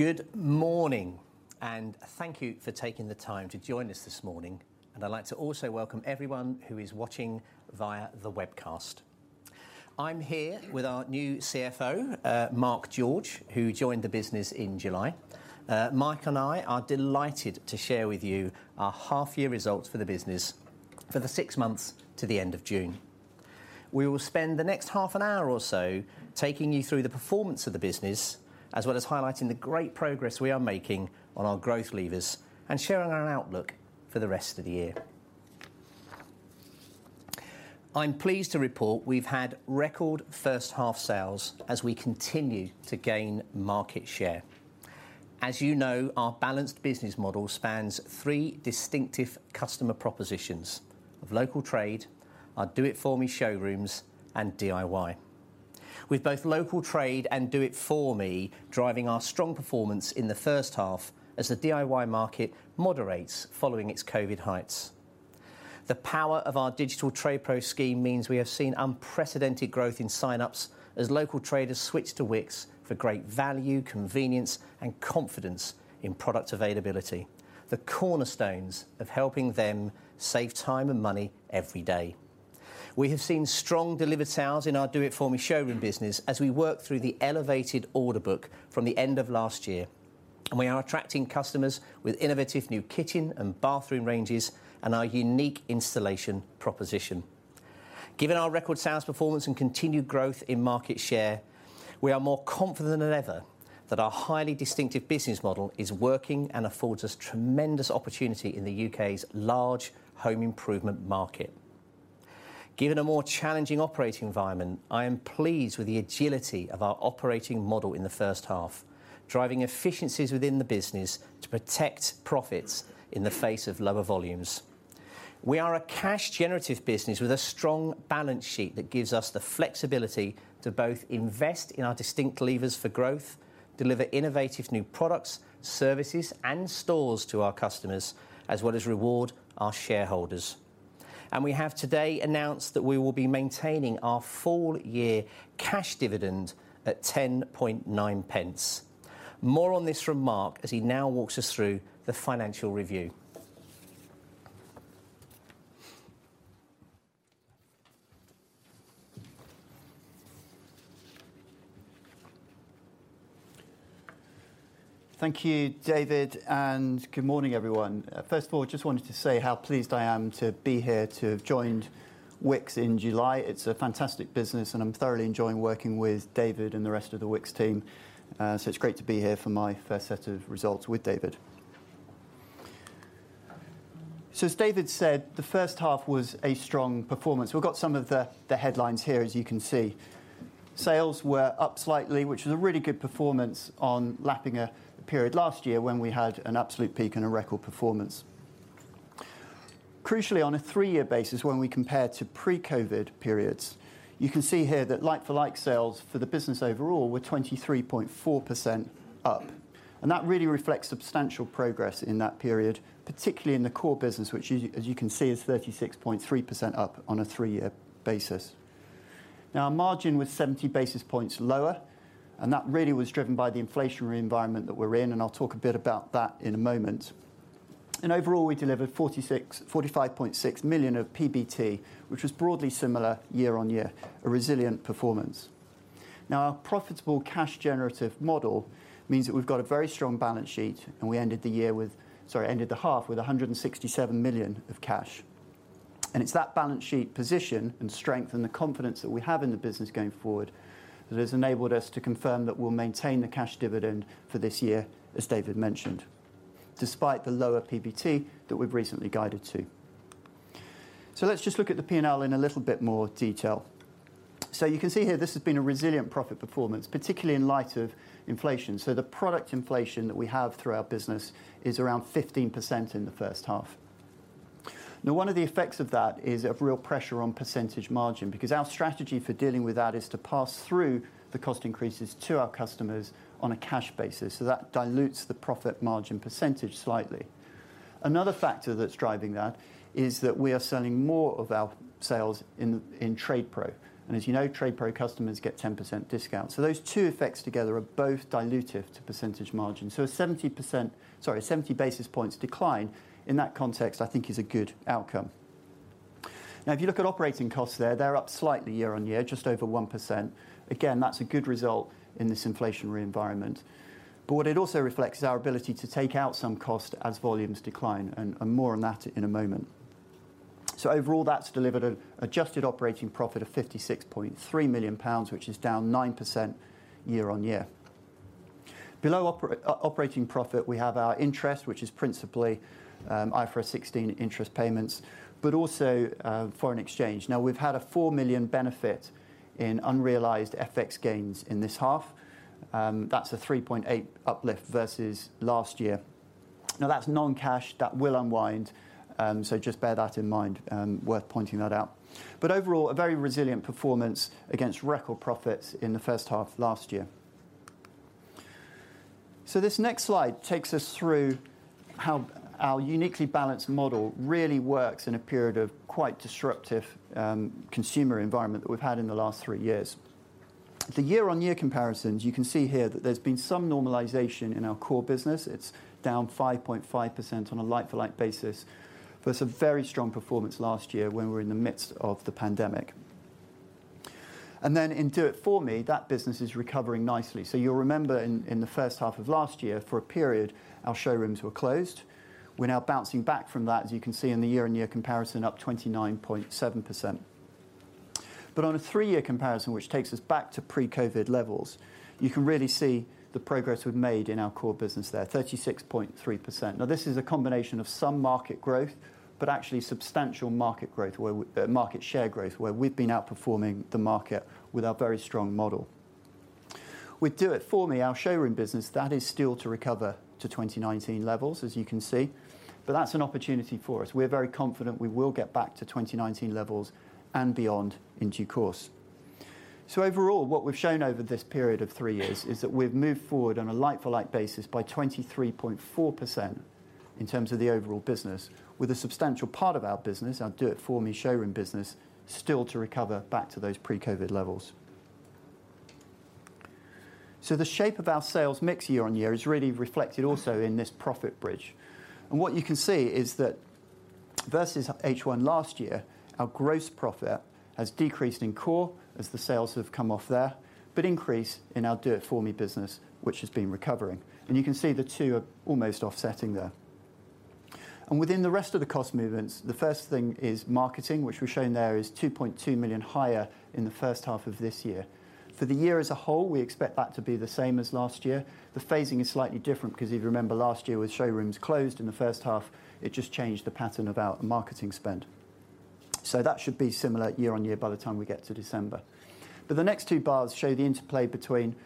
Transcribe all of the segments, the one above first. Good morning, and thank you for taking the time to join us this morning. I'd like to also welcome everyone who is watching via the webcast. I'm here with our new CFO, Mark George, who joined the business in July. Mark and I are delighted to share with you our half-year results for the business for the six months to the end of June. We will spend the next half an hour or so taking you through the performance of the business, as well as highlighting the great progress we are making on our growth levers and sharing our outlook for the rest of the year. I'm pleased to report we've had record first half sales as we continue to gain market share. As you know, our balanced business model spans three distinctive customer propositions of local trade, our Do It For Me showrooms and DIY. With both local trade and Do It For Me, driving our strong performance in the first half as the DIY market moderates following its COVID heights. The power of our digital TradePro scheme means we have seen unprecedented growth in signups as local traders switch to Wickes for great value, convenience, and confidence in product availability, the cornerstones of helping them save time and money every day. We have seen strong delivered sales in our Do It For Me showroom business as we work through the elevated order book from the end of last year, and we are attracting customers with innovative new kitchen and bathroom ranges and our unique installation proposition. Given our record sales performance and continued growth in market share, we are more confident than ever that our highly distinctive business model is working and affords us tremendous opportunity in the UK's large home improvement market. Given a more challenging operating environment, I am pleased with the agility of our operating model in the first half, driving efficiencies within the business to protect profits in the face of lower volumes. We are a cash generative business with a strong balance sheet that gives us the flexibility to both invest in our distinct levers for growth, deliver innovative new products, services, and stores to our customers, as well as reward our shareholders. We have today announced that we will be maintaining our full year cash dividend at 0.109. More on this from Mark as he now walks us through the financial review. Thank you, David, good morning, everyone. First of all, just wanted to say how pleased I am to be here to have joined Wickes in July. It's a fantastic business, and I'm thoroughly enjoying working with David and the rest of the Wickes team. It's great to be here for my first set of results with David. As David said, the first half was a strong performance. We've got some of the headlines here, as you can see. Sales were up slightly, which is a really good performance on lapping a period last year when we had an absolute peak and a record performance. Crucially, on a three-year basis, when we compare to pre-COVID periods, you can see here that like-for-like sales for the business overall were 23.4% up. That really reflects substantial progress in that period, particularly in the core business, which you, as you can see, is 36.3% up on a three-year basis. Our margin was 70 basis points lower, and that really was driven by the inflationary environment that we're in, and I'll talk a bit about that in a moment. Overall, we delivered 45.6 million of PBT, which was broadly similar year-on-year, a resilient performance. Our profitable cash generative model means that we've got a very strong balance sheet, and we ended the half with 167 million of cash. It's that balance sheet position and strength and the confidence that we have in the business going forward that has enabled us to confirm that we'll maintain the cash dividend for this year, as David mentioned, despite the lower PBT that we've recently guided to. Let's just look at the P&L in a little bit more detail. You can see here this has been a resilient profit performance, particularly in light of inflation. The product inflation that we have through our business is around 15% in the first half. Now, one of the effects of that is of real pressure on percentage margin, because our strategy for dealing with that is to pass through the cost increases to our customers on a cash basis, so that dilutes the profit margin percentage slightly. Another factor that's driving that is that we are selling more of our sales in TradePro, and as you know, TradePro customers get 10% discount. Those two effects together are both dilutive to percentage margin. A 70 basis points decline in that context, I think is a good outcome. If you look at operating costs there, they're up slightly year-over-year, just over 1%. Again, that's a good result in this inflationary environment. What it also reflects is our ability to take out some cost as volumes decline, and more on that in a moment. Overall, that's delivered an adjusted operating profit of 56.3 million pounds, which is down 9% year-over-year. Below operating profit, we have our interest, which is principally IFRS 16 interest payments, but also foreign exchange. We've had a 4 million benefit in unrealized FX gains in this half. That's a 3.8 uplift versus last year. That's non-cash that will unwind, so just bear that in mind, worth pointing that out. Overall, a very resilient performance against record profits in the first half of last year. This next slide takes us through how our uniquely balanced model really works in a period of quite disruptive consumer environment that we've had in the last three years. The year-on-year comparisons, you can see here that there's been some normalization in our core business. It's down 5.5% on a like-for-like basis. Some very strong performance last year when we were in the midst of the pandemic. In Do It For Me, that business is recovering nicely. You'll remember in the first half of last year for a period, our showrooms were closed. We're now bouncing back from that, as you can see in the year-on-year comparison up 29.7%. On a three-year comparison, which takes us back to pre-COVID levels, you can really see the progress we've made in our core business there, 36.3%. This is a combination of some market growth, but actually substantial market growth where market share growth, where we've been outperforming the market with our very strong model. With Do It For Me, our showroom business, that is still to recover to 2019 levels, as you can see. That's an opportunity for us. We are very confident we will get back to 2019 levels and beyond in due course. Overall, what we've shown over this period of 3 years is that we've moved forward on a like-for-like basis by 23.4% in terms of the overall business, with a substantial part of our business, our Do It For Me showroom business, still to recover back to those pre-COVID levels. The shape of our sales mix year on year is really reflected also in this profit bridge. What you can see is that versus H1 last year, our gross profit has decreased in core as the sales have come off there, but increased in our Do It For Me business, which has been recovering. You can see the two are almost offsetting there. Within the rest of the cost movements, the first thing is marketing, which we've shown there is 2.2 million higher in the first half of this year. For the year as a whole, we expect that to be the same as last year. The phasing is slightly different because if you remember last year with showrooms closed in the first half, it just changed the pattern of our marketing spend. That should be similar year-on-year by the time we get to December. The next two bars show the interplay between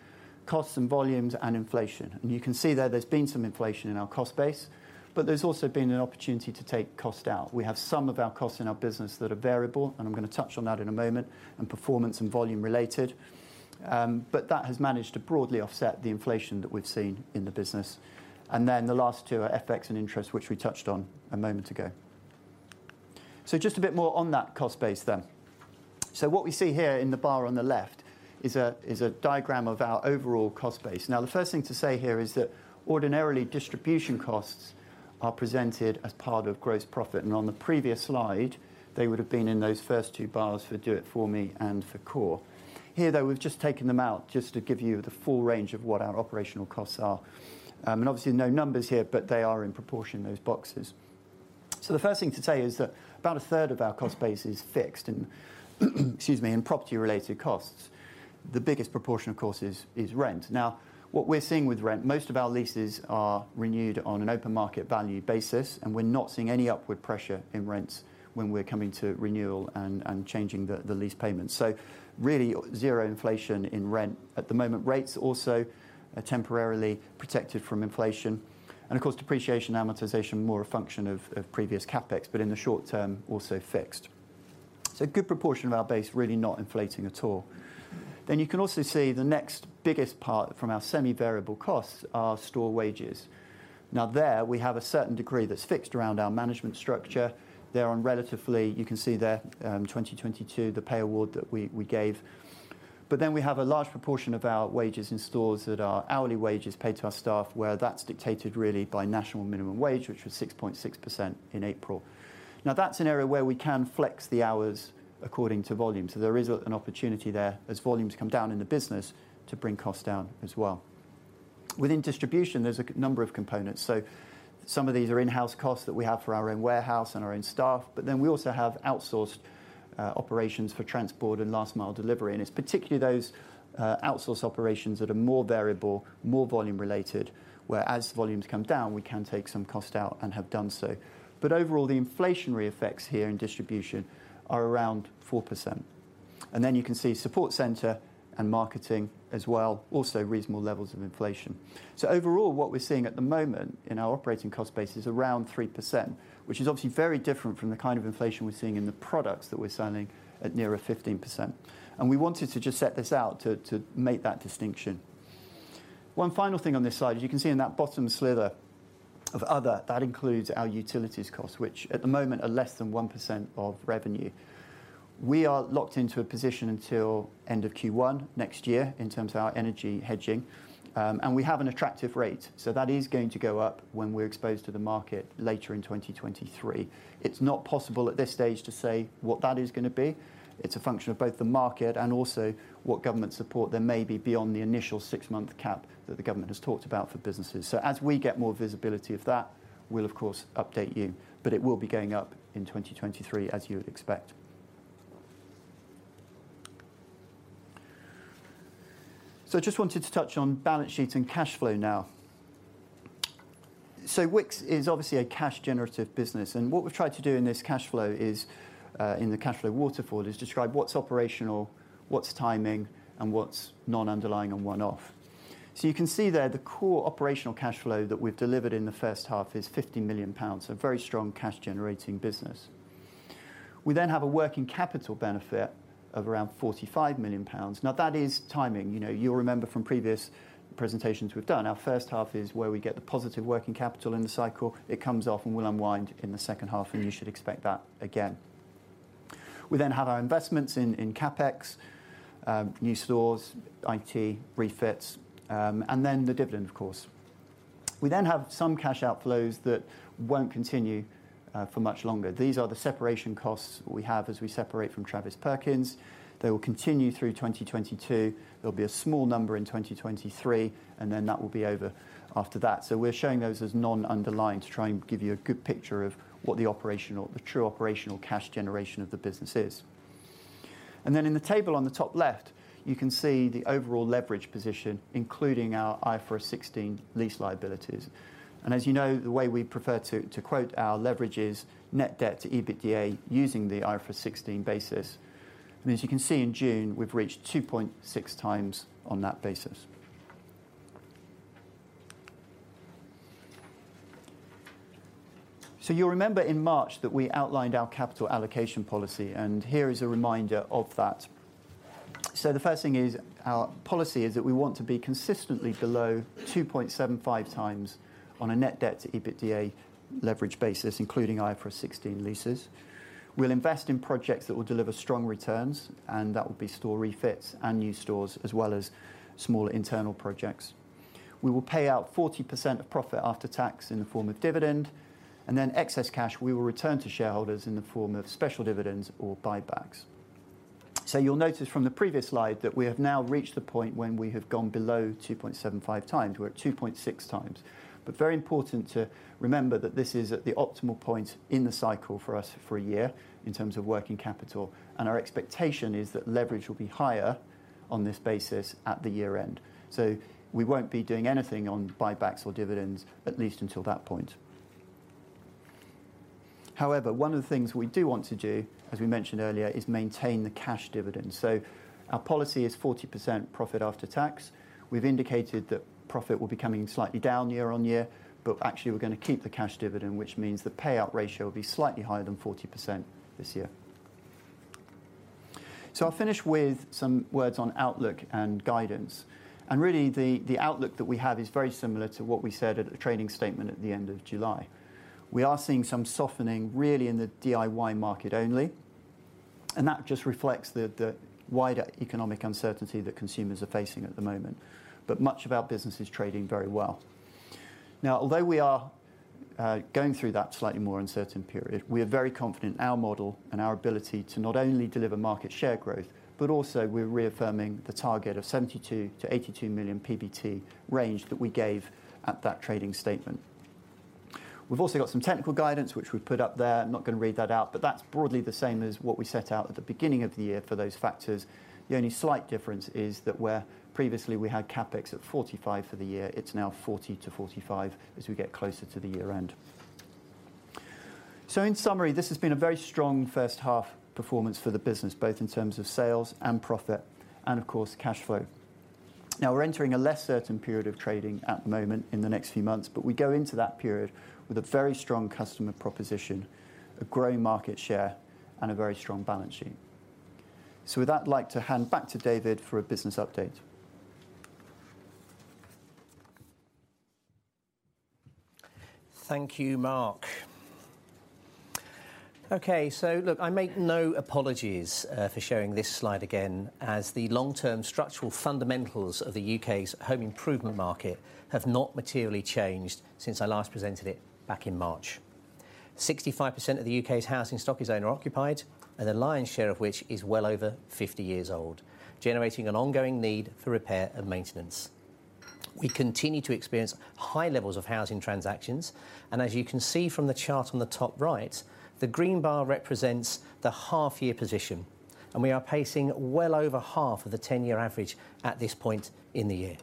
costs and volumes and inflation. You can see that there's been some inflation in our cost base, but there's also been an opportunity to take cost out. We have some of our costs in our business that are variable, and I'm gonna touch on that in a moment, and performance and volume related. That has managed to broadly offset the inflation that we've seen in the business. The last two are FX and interest, which we touched on a moment ago. Just a bit more on that cost base then. What we see here in the bar on the left is a diagram of our overall cost base. The first thing to say here is that ordinarily, distribution costs are presented as part of gross profit, and on the previous slide, they would have been in those first 2 bars for Do It For Me and for core. Here, though, we've just taken them out just to give you the full range of what our operational costs are. Obviously no numbers here, but they are in proportion, those boxes. The first thing to say is that about a third of our cost base is fixed in, excuse me, in property-related costs. The biggest proportion, of course, is rent. What we're seeing with rent, most of our leases are renewed on an open market value basis, and we're not seeing any upward pressure in rents when we're coming to renewal and changing the lease payments. Really zero inflation in rent. At the moment, rates also are temporarily protected from inflation. Of course, depreciation, amortization, more a function of previous CapEx, but in the short term, also fixed. A good proportion of our base really not inflating at all. You can also see the next biggest part from our semi-variable costs are store wages. There we have a certain degree that's fixed around our management structure. They're on relatively, you can see there, 2022, the pay award that we gave. We have a large proportion of our wages in stores that are hourly wages paid to our staff, where that's dictated really by National Minimum Wage, which was 6.6% in April. That's an area where we can flex the hours according to volume. There is an opportunity there as volumes come down in the business to bring costs down as well. Within distribution, there's a number of components. Some of these are in-house costs that we have for our own warehouse and our own staff, we also have outsourced operations for transport and last mile delivery. It's particularly those outsourced operations that are more variable, more volume related, where as volumes come down, we can take some cost out and have done so. Overall, the inflationary effects here in distribution are around 4%. Then you can see support centre and marketing as well, also reasonable levels of inflation. Overall, what we're seeing at the moment in our operating cost base is around 3%, which is obviously very different from the kind of inflation we're seeing in the products that we're selling at nearer 15%. We wanted to just set this out to make that distinction. One final thing on this slide, as you can see in that bottom slither of other, that includes our utilities cost, which at the moment are less than 1% of revenue. We are locked into a position until end of Q1 next year in terms of our energy hedging, and we have an attractive rate. That is going to go up when we're exposed to the market later in 2023. It's not possible at this stage to say what that is gonna be. It's a function of both the market and also what government support there may be beyond the initial six-month cap that the government has talked about for businesses. As we get more visibility of that, we'll of course update you, but it will be going up in 2023, as you would expect. Just wanted to touch on balance sheet and cash flow now. Wickes is obviously a cash generative business, and what we've tried to do in this cash flow is in the cash flow waterfall, is describe what's operational, what's timing, and what's non-underlying and one-off. You can see there, the core operational cash flow that we've delivered in the first half is 50 million pounds, a very strong cash generating business. We have a working capital benefit of around 45 million pounds. Now that is timing. You know, you'll remember from previous presentations we've done, our first half is where we get the positive working capital in the cycle. It comes off and will unwind in the second half, and you should expect that again. We have our investments in CapEx, new stores, IT, refits, and then the dividend of course. We have some cash outflows that won't continue for much longer. These are the separation costs we have as we separate from Travis Perkins. They will continue through 2022. There'll be a small number in 2023, and then that will be over after that. We're showing those as non-underlying to try and give you a good picture of what the true operational cash generation of the business is. In the table on the top left, you can see the overall leverage position, including our IFRS 16 lease liabilities. As you know, the way we prefer to quote our leverages net debt to EBITDA using the IFRS 16 basis. As you can see in June, we've reached 2.6 times on that basis. You'll remember in March that we outlined our capital allocation policy, and here is a reminder of that. The first thing is our policy is that we want to be consistently below 2.75 times on a net debt to EBITDA leverage basis, including IFRS 16 leases. We'll invest in projects that will deliver strong returns, and that will be store refits and new stores as well as smaller internal projects. We will pay out 40% of profit after tax in the form of dividend and then excess cash we will return to shareholders in the form of special dividends or buybacks. You'll notice from the previous slide that we have now reached the point when we have gone below 2.75 times. We're at 2.6 times. Very important to remember that this is at the optimal point in the cycle for us for a year in terms of working capital, and our expectation is that leverage will be higher on this basis at the year-end. We won't be doing anything on buybacks or dividends, at least until that point. However, one of the things we do want to do, as we mentioned earlier, is maintain the cash dividend. Our policy is 40% profit after tax. We've indicated that profit will be coming slightly down year-over-year. Actually, we're gonna keep the cash dividend, which means the payout ratio will be slightly higher than 40% this year. I'll finish with some words on outlook and guidance, and really the outlook that we have is very similar to what we said at the trading statement at the end of July. We are seeing some softening really in the DIY market only, and that just reflects the wider economic uncertainty that consumers are facing at the moment. Much of our business is trading very well. Although we are going through that slightly more uncertain period, we are very confident in our model and our ability to not only deliver market share growth, but also we're reaffirming the target of 72 million-82 million PBT range that we gave at that trading statement. We've also got some technical guidance which we've put up there. I'm not gonna read that out, that's broadly the same as what we set out at the beginning of the year for those factors. The only slight difference is that where previously we had CapEx at 45 million for the year, it's now 40 million-45 million as we get closer to the year-end. In summary, this has been a very strong first half performance for the business, both in terms of sales and profit and of course cash flow. We're entering a less certain period of trading at the moment in the next few months. We go into that period with a very strong customer proposition, a growing market share, and a very strong balance sheet. With that, I'd like to hand back to David for a business update. Thank you, Mark. Okay. Look, I make no apologies for showing this slide again as the long-term structural fundamentals of the UK's home improvement market have not materially changed since I last presented it back in March. 65% of the UK's housing stock is owner occupied, and the lion's share of which is well over 50 years old, generating an ongoing need for repair and maintenance. We continue to experience high levels of housing transactions, and as you can see from the chart on the top right, the green bar represents the half-year position, and we are pacing well over half of the 10-year average at this point in the year.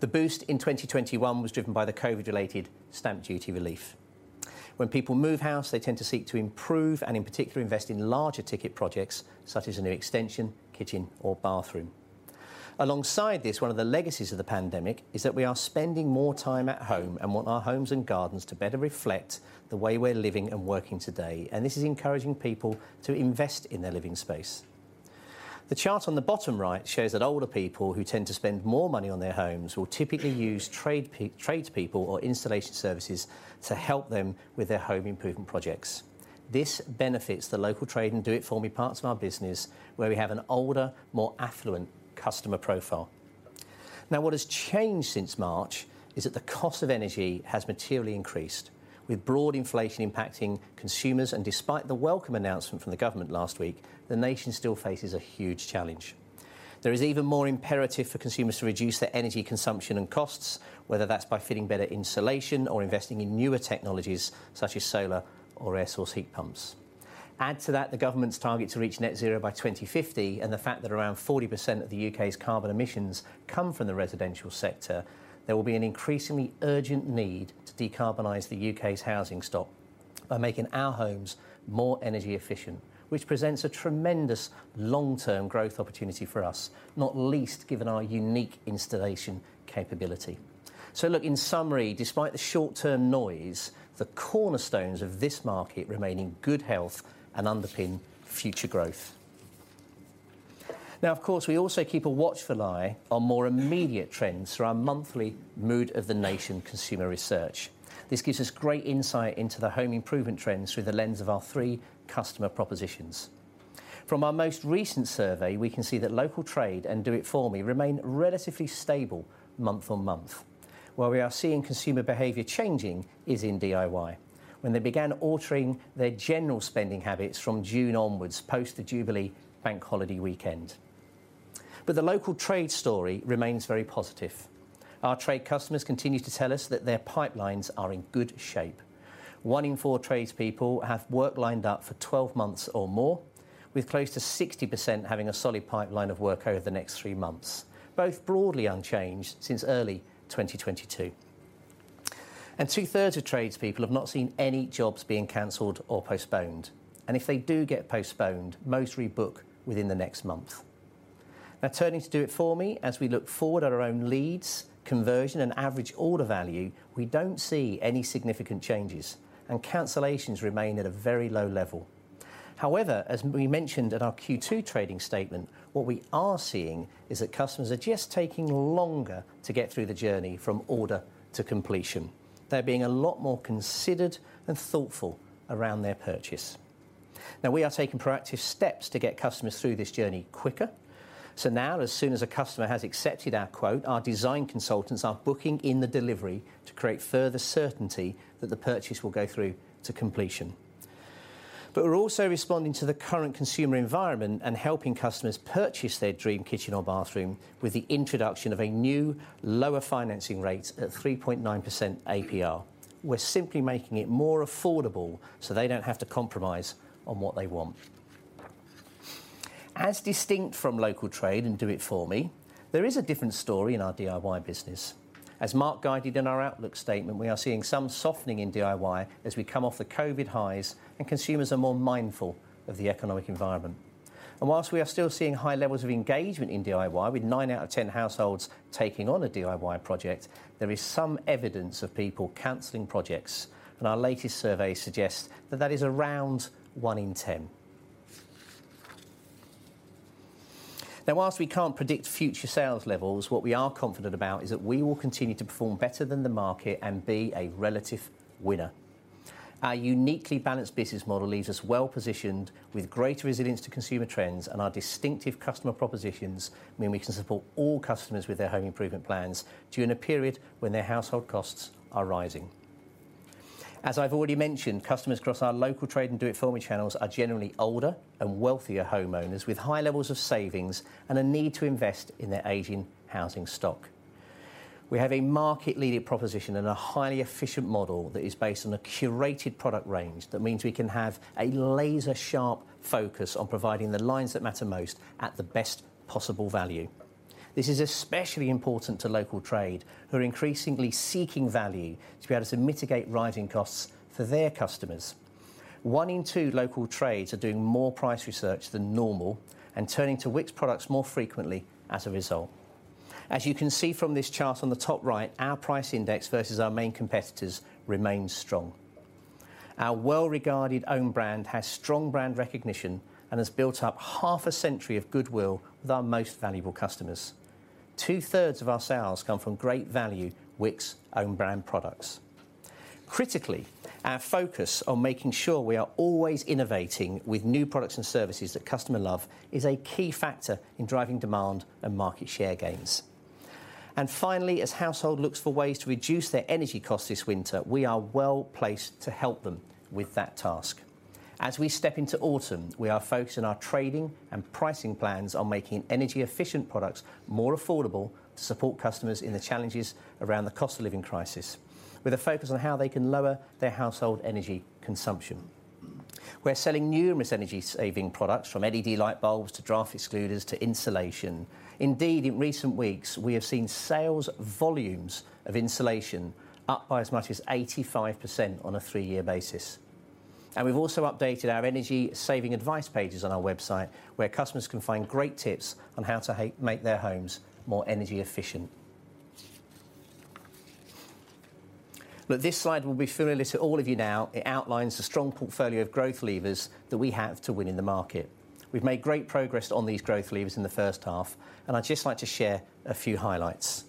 The boost in 2021 was driven by the COVID-related stamp duty relief. When people move house, they tend to seek to improve and in particular invest in larger ticket projects such as a new extension, kitchen or bathroom. Alongside this, one of the legacies of the pandemic is that we are spending more time at home and want our homes and gardens to better reflect the way we're living and working today, and this is encouraging people to invest in their living space. The chart on the bottom right shows that older people who tend to spend more money on their homes will typically use tradespeople or installation services to help them with their home improvement projects. This benefits the local trade and Do It For Me parts of our business where we have an older, more affluent customer profile. What has changed since March is that the cost of energy has materially increased with broad inflation impacting consumers. Despite the welcome announcement from the government last week, the nation still faces a huge challenge. There is even more imperative for consumers to reduce their energy consumption and costs, whether that's by fitting better insulation or investing in newer technologies such as solar or air source heat pumps. Add to that the government's target to reach net zero by 2050 and the fact that around 40% of the UK's carbon emissions come from the residential sector, there will be an increasingly urgent need to decarbonize the UK's housing stock by making our homes more energy efficient, which presents a tremendous long-term growth opportunity for us, not least given our unique installation capability. Look, in summary, despite the short-term noise, the cornerstones of this market remain in good health and underpin future growth. Now, of course, we also keep a watchful eye on more immediate trends through our monthly Mood of the Nation consumer research. This gives us great insight into the home improvement trends through the lens of our three customer propositions. From our most recent survey, we can see that local trade and Do It For Me remain relatively stable month-on-month. Where we are seeing consumer behavior changing is in DIY when they began altering their general spending habits from June onwards post the Jubilee Bank Holiday weekend. The local trade story remains very positive. Our trade customers continue to tell us that their pipelines are in good shape. One in four tradespeople have work lined up for 12 months or more, with close to 60% having a solid pipeline of work over the next three months, both broadly unchanged since early 2022. Two-thirds of tradespeople have not seen any jobs being canceled or postponed, and if they do get postponed, most rebook within the next month. Now turning to Do It For Me, as we look forward at our own leads, conversion, and average order value, we don't see any significant changes, and cancellations remain at a very low level. As we mentioned at our Q2 trading statement, what we are seeing is that customers are just taking longer to get through the journey from order to completion. They're being a lot more considered and thoughtful around their purchase. We are taking proactive steps to get customers through this journey quicker. Now, as soon as a customer has accepted our quote, our design consultants are booking in the delivery to create further certainty that the purchase will go through to completion. We're also responding to the current consumer environment and helping customers purchase their dream kitchen or bathroom with the introduction of a new lower financing rate at 3.9% APR. We're simply making it more affordable so they don't have to compromise on what they want. As distinct from local trade and Do It For Me, there is a different story in our DIY business. As Mark guided in our outlook statement, we are seeing some softening in DIY as we come off the COVID highs and consumers are more mindful of the economic environment. Whilst we are still seeing high levels of engagement in DIY, with nine out of 10 households taking on a DIY project, there is some evidence of people canceling projects, and our latest survey suggests that that is around one in 10. Whilst we can't predict future sales levels, what we are confident about is that we will continue to perform better than the market and be a relative winner. Our uniquely balanced business model leaves us well-positioned with greater resilience to consumer trends and our distinctive customer propositions mean we can support all customers with their home improvement plans during a period when their household costs are rising. As I've already mentioned, customers across our local trade and Do It For Me channels are generally older and wealthier homeowners with high levels of savings and a need to invest in their aging housing stock. We have a market-leading proposition and a highly efficient model that is based on a curated product range that means we can have a laser-sharp focus on providing the lines that matter most at the best possible value. This is especially important to local trade who are increasingly seeking value to be able to mitigate rising costs for their customers. One in two local trades are doing more price research than normal and turning to Wickes products more frequently as a result. As you can see from this chart on the top right, our price index versus our main competitors remains strong. Our well-regarded own brand has strong brand recognition and has built up half a century of goodwill with our most valuable customers. Two-thirds of our sales come from great value Wickes own brand products. Critically, our focus on making sure we are always innovating with new products and services that customer love is a key factor in driving demand and market share gains. Finally, as household looks for ways to reduce their energy costs this winter, we are well-placed to help them with that task. As we step into autumn, we are focused on our trading and pricing plans on making energy-efficient products more affordable to support customers in the challenges around the cost of living crisis with a focus on how they can lower their household energy consumption. We're selling numerous energy-saving products from LED light bulbs to draft excluders to insulation. In recent weeks, we have seen sales volumes of insulation up by as much as 85% on a 3-year basis. We've also updated our energy-saving advice pages on our website, where customers can find great tips on how to make their homes more energy efficient. Look, this slide will be familiar to all of you now. It outlines the strong portfolio of growth levers that we have to win in the market. We've made great progress on these growth levers in the first half. I'd just like to share a few highlights.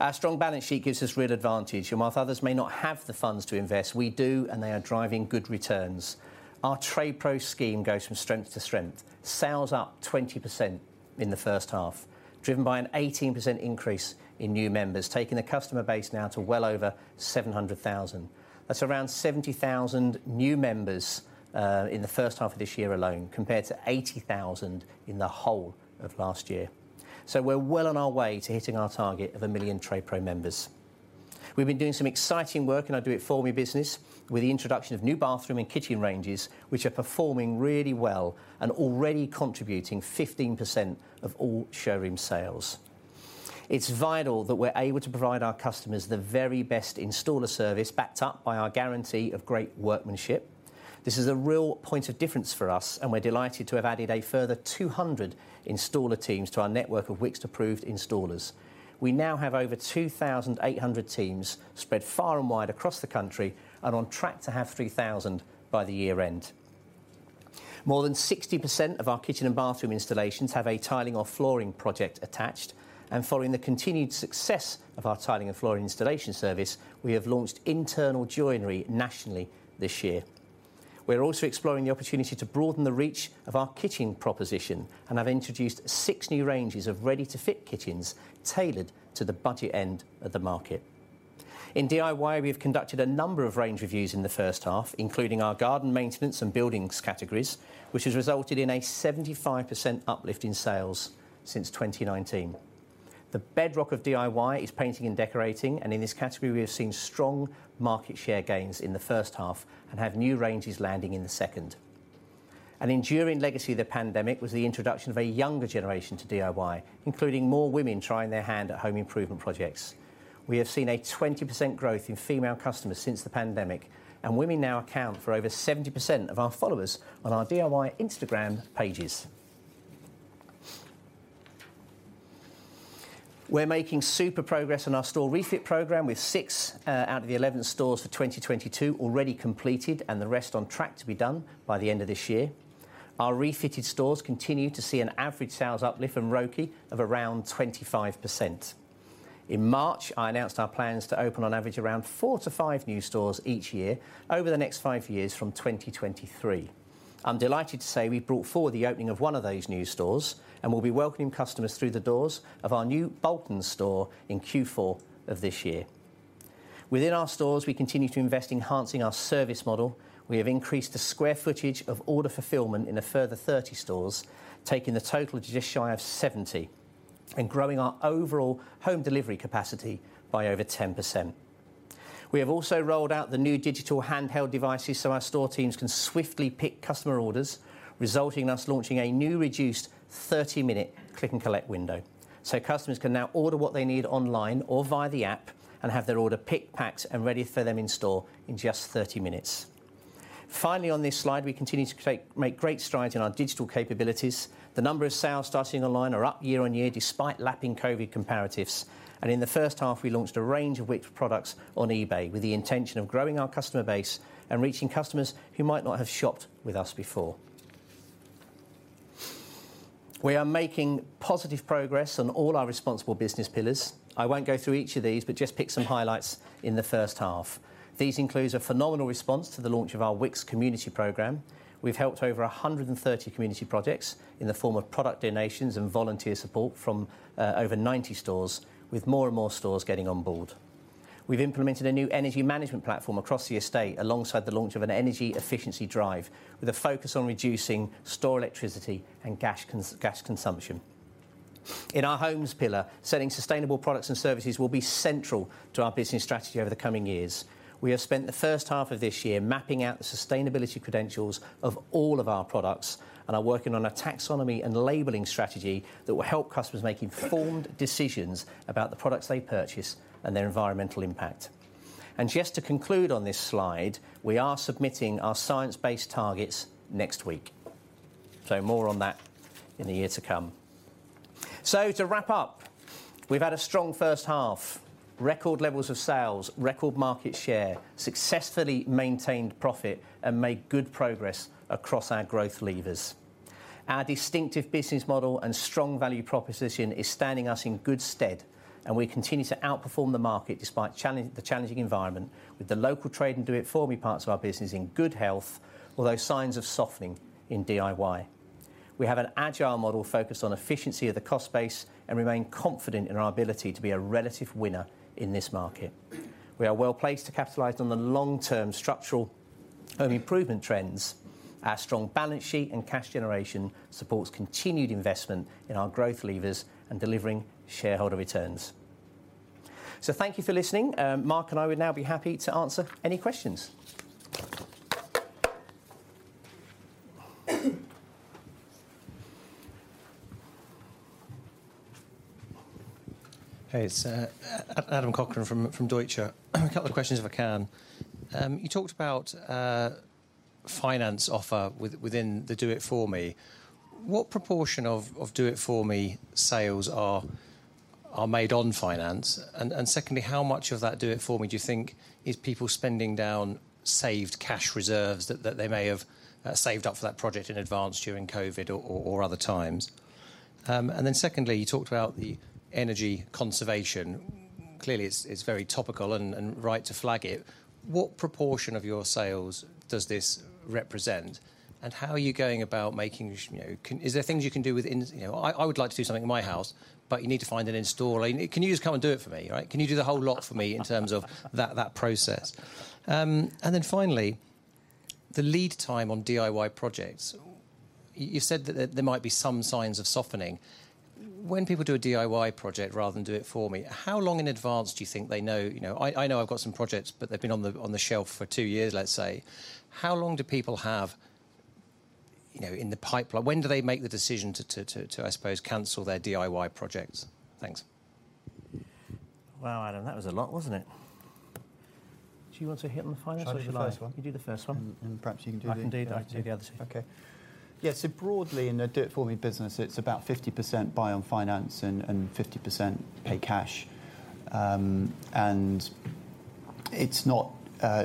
Our strong balance sheet gives us real advantage. Whilst others may not have the funds to invest, we do, and they are driving good returns. Our TradePro scheme goes from strength to strength. Sales up 20% in the first half, driven by an 18% increase in new members, taking the customer base now to well over 700,000. That's around 70,000 new members in the first half of this year alone, compared to 80,000 in the whole of last year. We're well on our way to hitting our target of 1 million TradePro members. We've been doing some exciting work in our Do It For Me business with the introduction of new bathroom and kitchen ranges, which are performing really well and already contributing 15% of all showroom sales. It's vital that we're able to provide our customers the very best installer service backed up by our guarantee of great workmanship. This is a real point of difference for us, and we're delighted to have added a further 200 installer teams to our network of Wickes approved installers. We now have over 2,800 teams spread far and wide across the country and on track to have 3,000 by the year-end. More than 60% of our kitchen and bathroom installations have a tiling or flooring project attached, and following the continued success of our tiling and flooring installation service, we have launched internal joinery nationally this year. We're also exploring the opportunity to broaden the reach of our kitchen proposition and have introduced six new ranges of ready-to-fit kitchens tailored to the budget end of the market. In DIY, we have conducted a number of range reviews in the first half, including our garden maintenance and buildings categories, which has resulted in a 75% uplift in sales since 2019. The bedrock of DIY is painting and decorating. In this category we have seen strong market share gains in the first half and have new ranges landing in the second. An enduring legacy of the pandemic was the introduction of a younger generation to DIY, including more women trying their hand at home improvement projects. We have seen a 20% growth in female customers since the pandemic. Women now account for over 70% of our followers on our DIY Instagram pages. We're making super progress on our store refit program, with six out of the 11 stores for 2022 already completed and the rest on track to be done by the end of this year. Our refitted stores continue to see an average sales uplift from ROCE of around 25%. In March, I announced our plans to open on average around four to five new stores each year over the next five years from 2023. I'm delighted to say we've brought forward the opening of one of those new stores, and we'll be welcoming customers through the doors of our new Bolton store in Q4 of this year. Within our stores, we continue to invest in enhancing our service model. We have increased the square footage of order fulfillment in a further 30 stores, taking the total to just shy of 70 and growing our overall Home Delivery capacity by over 10%. We have also rolled out the new digital handheld devices so our store teams can swiftly pick customer orders, resulting in us launching a new reduced 30-minute Click and Collect window. Customers can now order what they need online or via the app and have their order picked, packed, and ready for them in store in just 30 minutes. Finally, on this slide, we continue to make great strides in our digital capabilities. The number of sales starting online are up year-over-year despite lapping COVID comparatives. In the first half, we launched a range of Wickes products on eBay with the intention of growing our customer base and reaching customers who might not have shopped with us before. We are making positive progress on all our responsible business pillars. I won't go through each of these, but just pick some highlights in the first half. These includes a phenomenal response to the launch of our Wickes Community Programme. We've helped over 130 community projects in the form of product donations and volunteer support from over 90 stores, with more and more stores getting on board. We've implemented a new energy management platform across the estate alongside the launch of an energy efficiency drive, with a focus on reducing store electricity and gas consumption. In our homes pillar, selling sustainable products and services will be central to our business strategy over the coming years. We have spent the first half of this year mapping out the sustainability credentials of all of our products and are working on a taxonomy and labeling strategy that will help customers make informed decisions about the products they purchase and their environmental impact. Just to conclude on this slide, we are submitting our science-based targets next week. More on that in the year to come. To wrap up, we've had a strong first half, record levels of sales, record market share, successfully maintained profit, and made good progress across our growth levers. Our distinctive business model and strong value proposition is standing us in good stead, and we continue to outperform the market despite the challenging environment with the local trade and Do It For Me parts of our business in good health, although signs of softening in DIY. We have an agile model focused on efficiency of the cost base and remain confident in our ability to be a relative winner in this market. We are well-placed to capitalize on the long-term structural home improvement trends. Our strong balance sheet and cash generation supports continued investment in our growth levers and delivering shareholder returns. Thank you for listening. Mark and I would now be happy to answer any questions. Hey, it's Adam Cochrane from Deutsche. A couple of questions if I can. You talked about finance offer within the Do It For Me. What proportion of Do It For Me sales are made on finance? Secondly, how much of that Do It For Me do you think is people spending down saved cash reserves that they may have saved up for that project in advance during COVID or other times? Secondly, you talked about the energy conservation. Clearly it's very topical and right to flag it. What proportion of your sales does this represent and how are you going about making, you know, is there things you can do within? You know, I would like to do something in my house, but you need to find an installer. Can you just come and Do It For Me, right? Can you do the whole lot for me in terms of that process? Finally, the lead time on DIY projects. You've said that there might be some signs of softening. When people do a DIY project rather than Do It For Me, how long in advance do you think they know? You know, I know I've got some projects, but they've been on the shelf for two years, let's say. How long do people have You know, in the pipeline. When do they make the decision to, I suppose, cancel their DIY projects? Thanks. Wow, Adam, that was a lot, wasn't it? Do you want to hit on the finance or should I? Try the first one. You do the first one. perhaps you can do... I can do the other two. Okay. Yeah. Broadly in the Do It For Me business, it's about 50% buy on finance and 50% pay cash. It's not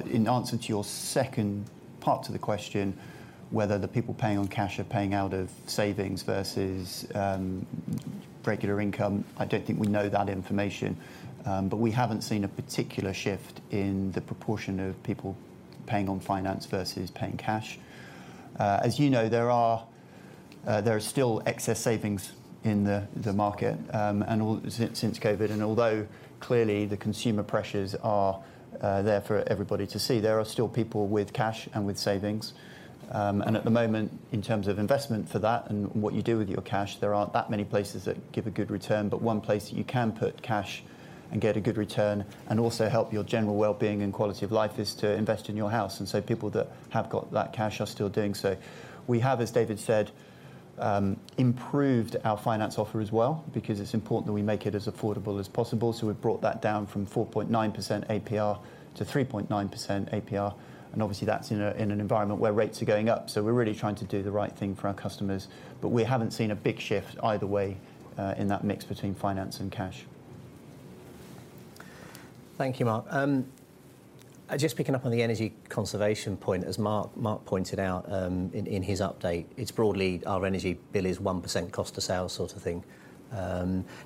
in answer to your second part to the question, whether the people paying on cash are paying out of savings versus regular income, I don't think we know that information. We haven't seen a particular shift in the proportion of people paying on finance versus paying cash. As you know, there are still excess savings in the market since COVID. Although clearly the consumer pressures are there for everybody to see, there are still people with cash and with savings. At the moment, in terms of investment for that and what you do with your cash, there aren't that many places that give a good return, but one place that you can put cash and get a good return and also help your general wellbeing and quality of life is to invest in your house. People that have got that cash are still doing so. We have, as David said, improved our finance offer as well because it's important that we make it as affordable as possible, so we've brought that down from 4.9% APR to 3.9% APR, and obviously that's in an environment where rates are going up. We're really trying to do the right thing for our customers. We haven't seen a big shift either way, in that mix between finance and cash. Thank you, Mark. Just picking up on the energy conservation point, as Mark pointed out, in his update, it's broadly our energy bill is 1% cost to sales sort of thing.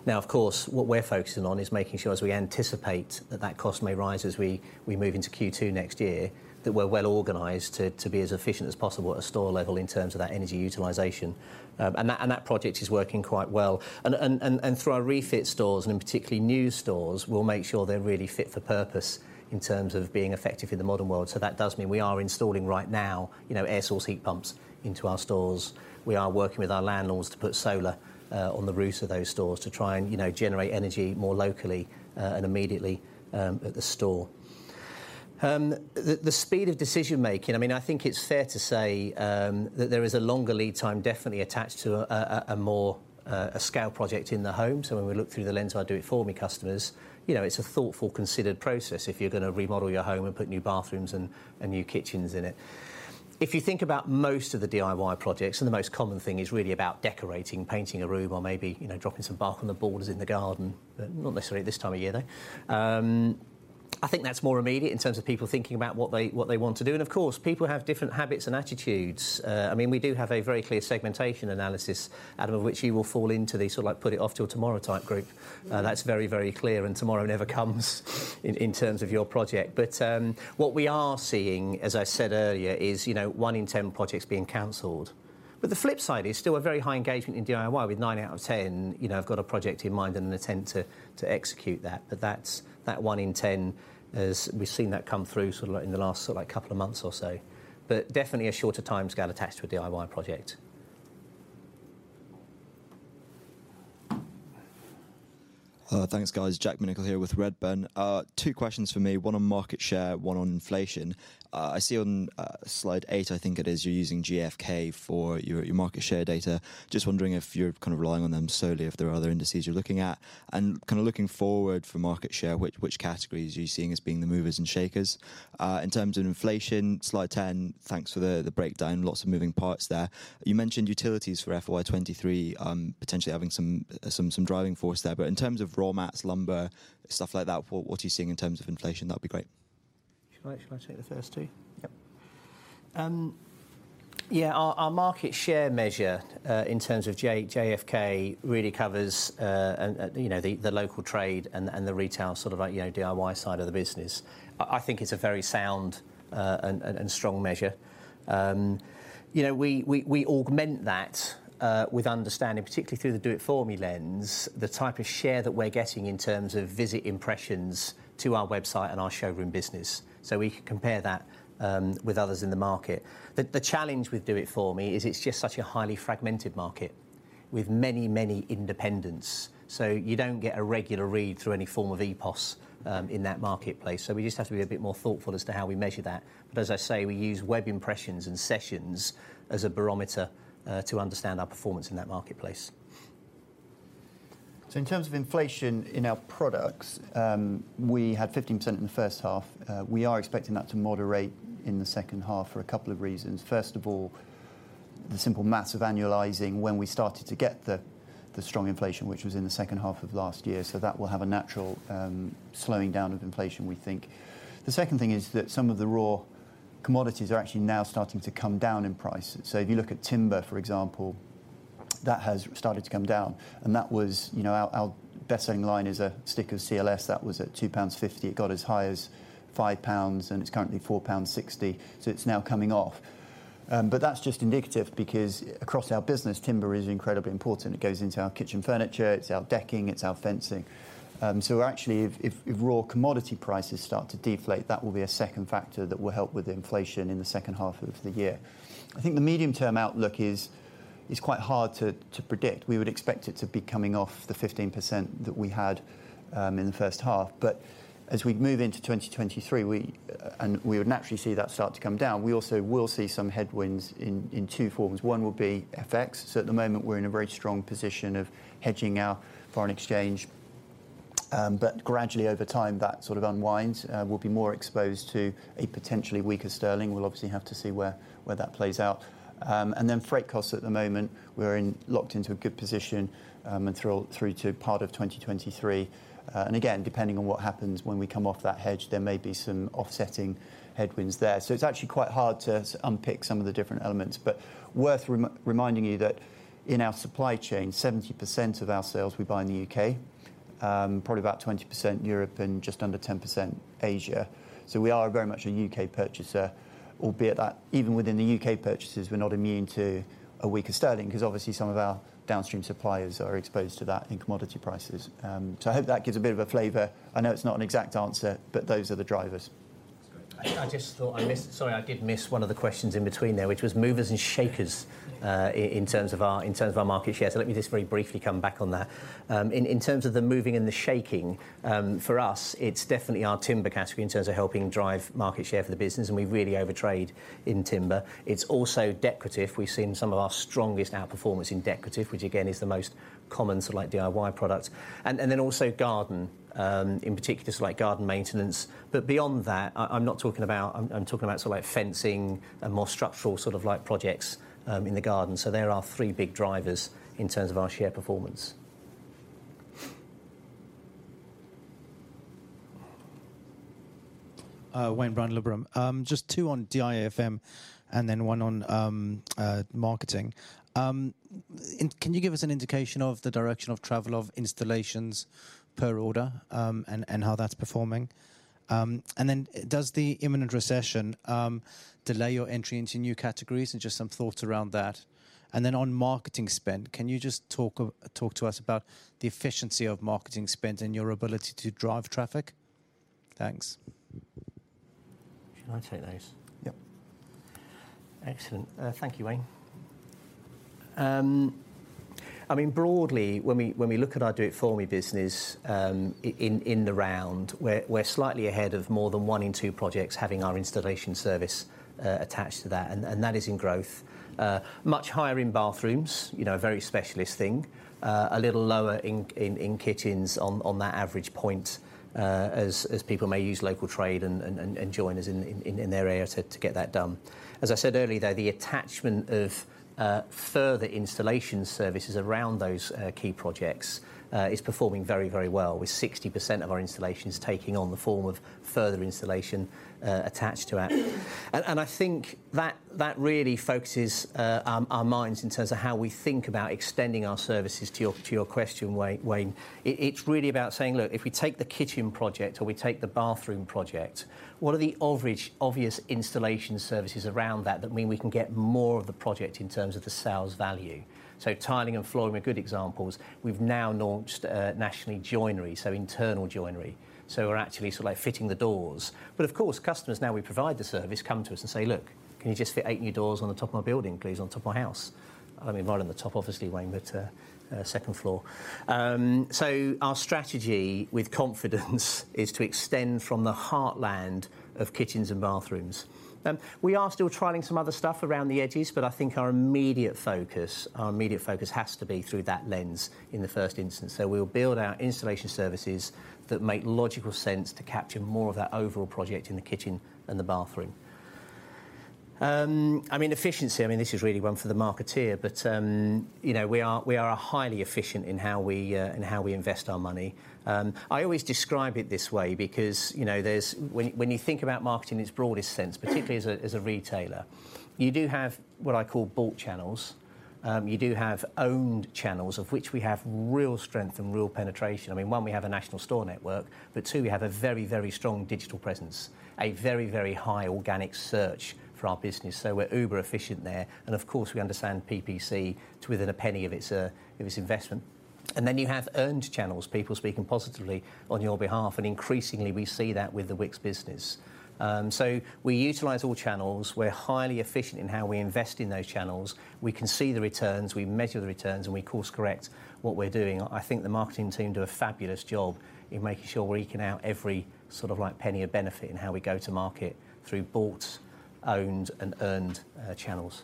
Of course, what we're focusing on is making sure as we anticipate that cost may rise as we move into Q2 next year, that we're well organized to be as efficient as possible at a store level in terms of that energy utilization. That project is working quite well. Through our refit stores and in particularly new stores, we'll make sure they're really fit for purpose in terms of being effective in the modern world. That does mean we are installing right now, you know, air source heat pumps into our stores. We are working with our landlords to put solar on the roofs of those stores to try and, you know, generate energy more locally and immediately at the store. The speed of decision making, I mean, I think it's fair to say that there is a longer lead time definitely attached to a more a scale project in the home. When we look through the lens of our Do It For Me customers, you know, it's a thoughtful, considered process if you're gonna remodel your home and put new bathrooms and new kitchens in it. If you think about most of the DIY projects, and the most common thing is really about decorating, painting a room or maybe, you know, dropping some bark on the borders in the garden, but not necessarily this time of year, though, I think that's more immediate in terms of people thinking about what they, what they want to do. Of course, people have different habits and attitudes. I mean, we do have a very clear segmentation analysis, Adam, of which you will fall into the sort of like put it off till tomorrow type group. Mm-hmm. That's very, very clear and tomorrow never comes in terms of your project. What we are seeing, as I said earlier, is, you know, one in ten projects being canceled. The flip side is still a very high engagement in DIY with nine out of ten, you know, have got a project in mind and intend to execute that. That one in ten is we've seen that come through sort of like in the last sort of like couple of months or so. Definitely a shorter timescale attached to a DIY project. Thanks, guys. Jack Minshull here with Redburn. two questions from me, one on market share, one on inflation. I see on slide 8, I think it is, you're using GfK for your market share data. Just wondering if you're kinda relying on them solely, if there are other indices you're looking at? Kinda looking forward for market share, which categories are you seeing as being the movers and shakers? In terms of inflation, slide 10, thanks for the breakdown. Lots of moving parts there. You mentioned utilities for FY23, potentially having some driving force there. In terms of raw mats, lumber, stuff like that, what are you seeing in terms of inflation? That'd be great. Should I take the first two? Yep. Yeah, our market share measure, in terms of GfK really covers, you know, the local trade and the retail sort of like, you know, DIY side of the business. I think it's a very sound, and strong measure. You know, we augment that, with understanding, particularly through the Do It For Me lens, the type of share that we're getting in terms of visit impressions to our website and our showroom business, so we can compare that, with others in the market. The challenge with Do It For Me is it's just such a highly fragmented market with many independents, so you don't get a regular read through any form of EPOS, in that marketplace. We just have to be a bit more thoughtful as to how we measure that. As I say, we use web impressions and sessions as a barometer, to understand our performance in that marketplace. In terms of inflation in our products, we had 15% in the first half. We are expecting that to moderate in the second half for a couple of reasons. First of all, the simple math of annualizing when we started to get the strong inflation, which was in the second half of last year, that will have a natural slowing down of inflation, we think. The second thing is that some of the raw commodities are actually now starting to come down in price. If you look at timber, for example, that has started to come down, and that was, you know, our best selling line is a stick of CLS that was at 2.50 pounds. It got as high as 5.00 pounds, and it's currently 4.60 pounds, it's now coming off. That's just indicative because across our business, timber is incredibly important. It goes into our kitchen furniture, it's our decking, it's our fencing. Actually if raw commodity prices start to deflate, that will be a second factor that will help with inflation in the second half of the year. I think the medium term outlook is. It's quite hard to predict. We would expect it to be coming off the 15% that we had in the first half. As we move into 2023, we would naturally see that start to come down. We also will see some headwinds in two forms. One will be FX. At the moment, we're in a very strong position of hedging our foreign exchange. Gradually over time, that sort of unwinds, we'll be more exposed to a potentially weaker sterling. We'll obviously have to see where that plays out. Freight costs at the moment, we're locked into a good position, and through to part of 2023. Depending on what happens when we come off that hedge, there may be some offsetting headwinds there. It's actually quite hard to unpick some of the different elements. Worth reminding you that in our supply chain, 70% of our sales we buy in the U.K., probably about 20% Europe and just under 10% Asia. We are very much a U.K. purchaser, albeit that even within the U.K. purchases, we're not immune to a weaker sterling, 'cause obviously some of our downstream suppliers are exposed to that in commodity prices. I hope that gives a bit of a flavor. I know it's not an exact answer, but those are the drivers. I just thought I missed. Sorry, I did miss one of the questions in between there, which was movers and shakers in terms of our market share. Let me just very briefly come back on that. In terms of the moving and the shaking, for us, it's definitely our timber category in terms of helping drive market share for the business, and we really overtrade in timber. It's also decorative. We've seen some of our strongest outperformance in decorative, which again, is the most common sort of like DIY product. Then also garden, in particular, so like garden maintenance. Beyond that, I'm not talking about. I'm talking about sort of like fencing and more structural sort of like projects in the garden. There are our three big drivers in terms of our share performance. Wayne Brown at Liberum. Just two on DIFM and then one on marketing. Can you give us an indication of the direction of travel of installations per order and how that's performing? Then does the imminent recession delay your entry into new categories? Just some thoughts around that. Then on marketing spend, can you just talk to us about the efficiency of marketing spend and your ability to drive traffic? Thanks. Should I take those? Yep. Excellent. Thank you, Wayne. I mean, broadly, when we look at our Do It For Me business, in the round, we're slightly ahead of more than one in two projects having our installation service attached to that, and that is in growth. Much higher in bathrooms, you know, a very specialist thing. A little lower in kitchens on that average point, as people may use local trade and joiners in their area to get that done. As I said earlier, though, the attachment of further installation services around those key projects is performing very, very well, with 60% of our installations taking on the form of further installation attached to it. I think that really focuses our minds in terms of how we think about extending our services to your question, Wayne. It's really about saying, look, if we take the kitchen project or we take the bathroom project, what are the obvious installation services around that mean we can get more of the project in terms of the sales value? Tiling and flooring are good examples. We've now launched Nationally Joinery, so Internal Joinery. We're actually sort of like fitting the doors. Of course, customers, now we provide the service, come to us and say, "Look, can you just fit eight new doors on the top of my building, please, on top of my house?" I mean, not on the top, obviously, Wayne, but second floor. Our strategy with confidence is to extend from the heartland of kitchens and bathrooms. We are still trialing some other stuff around the edges, but I think our immediate focus has to be through that lens in the first instance. We'll build our installation services that make logical sense to capture more of that overall project in the kitchen and the bathroom. Efficiency, this is really one for the marketer, but we are a highly efficient in how we invest our money. I always describe it this way because when you think about marketing in its broadest sense, particularly as a retailer, you do have what I call bought channels. You do have owned channels of which we have real strength and real penetration. I mean, one, we have a national store network, but two, we have a very, very strong digital presence, a very, very high organic search for our business. We're uber efficient there. Of course, we understand PPC to within a penny of its investment. Then you have earned channels, people speaking positively on your behalf. Increasingly, we see that with the Wickes business. We utilize all channels. We're highly efficient in how we invest in those channels. We can see the returns, we measure the returns, and we course correct what we're doing. I think the marketing team do a fabulous job in making sure we're eking out every sort of like penny of benefit in how we go to market through bought, owned, and earned channels.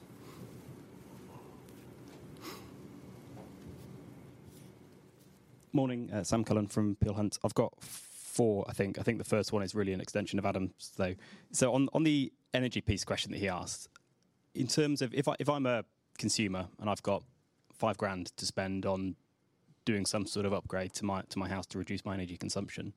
Morning. Sam Cullen from Peel Hunt. I've got four, I think. I think the first one is really an extension of Adam's, though. On the energy piece question that he asked, in terms of... If I'm a consumer and I've got 5,000 to spend on doing some sort of upgrade to my house to reduce my energy consumption,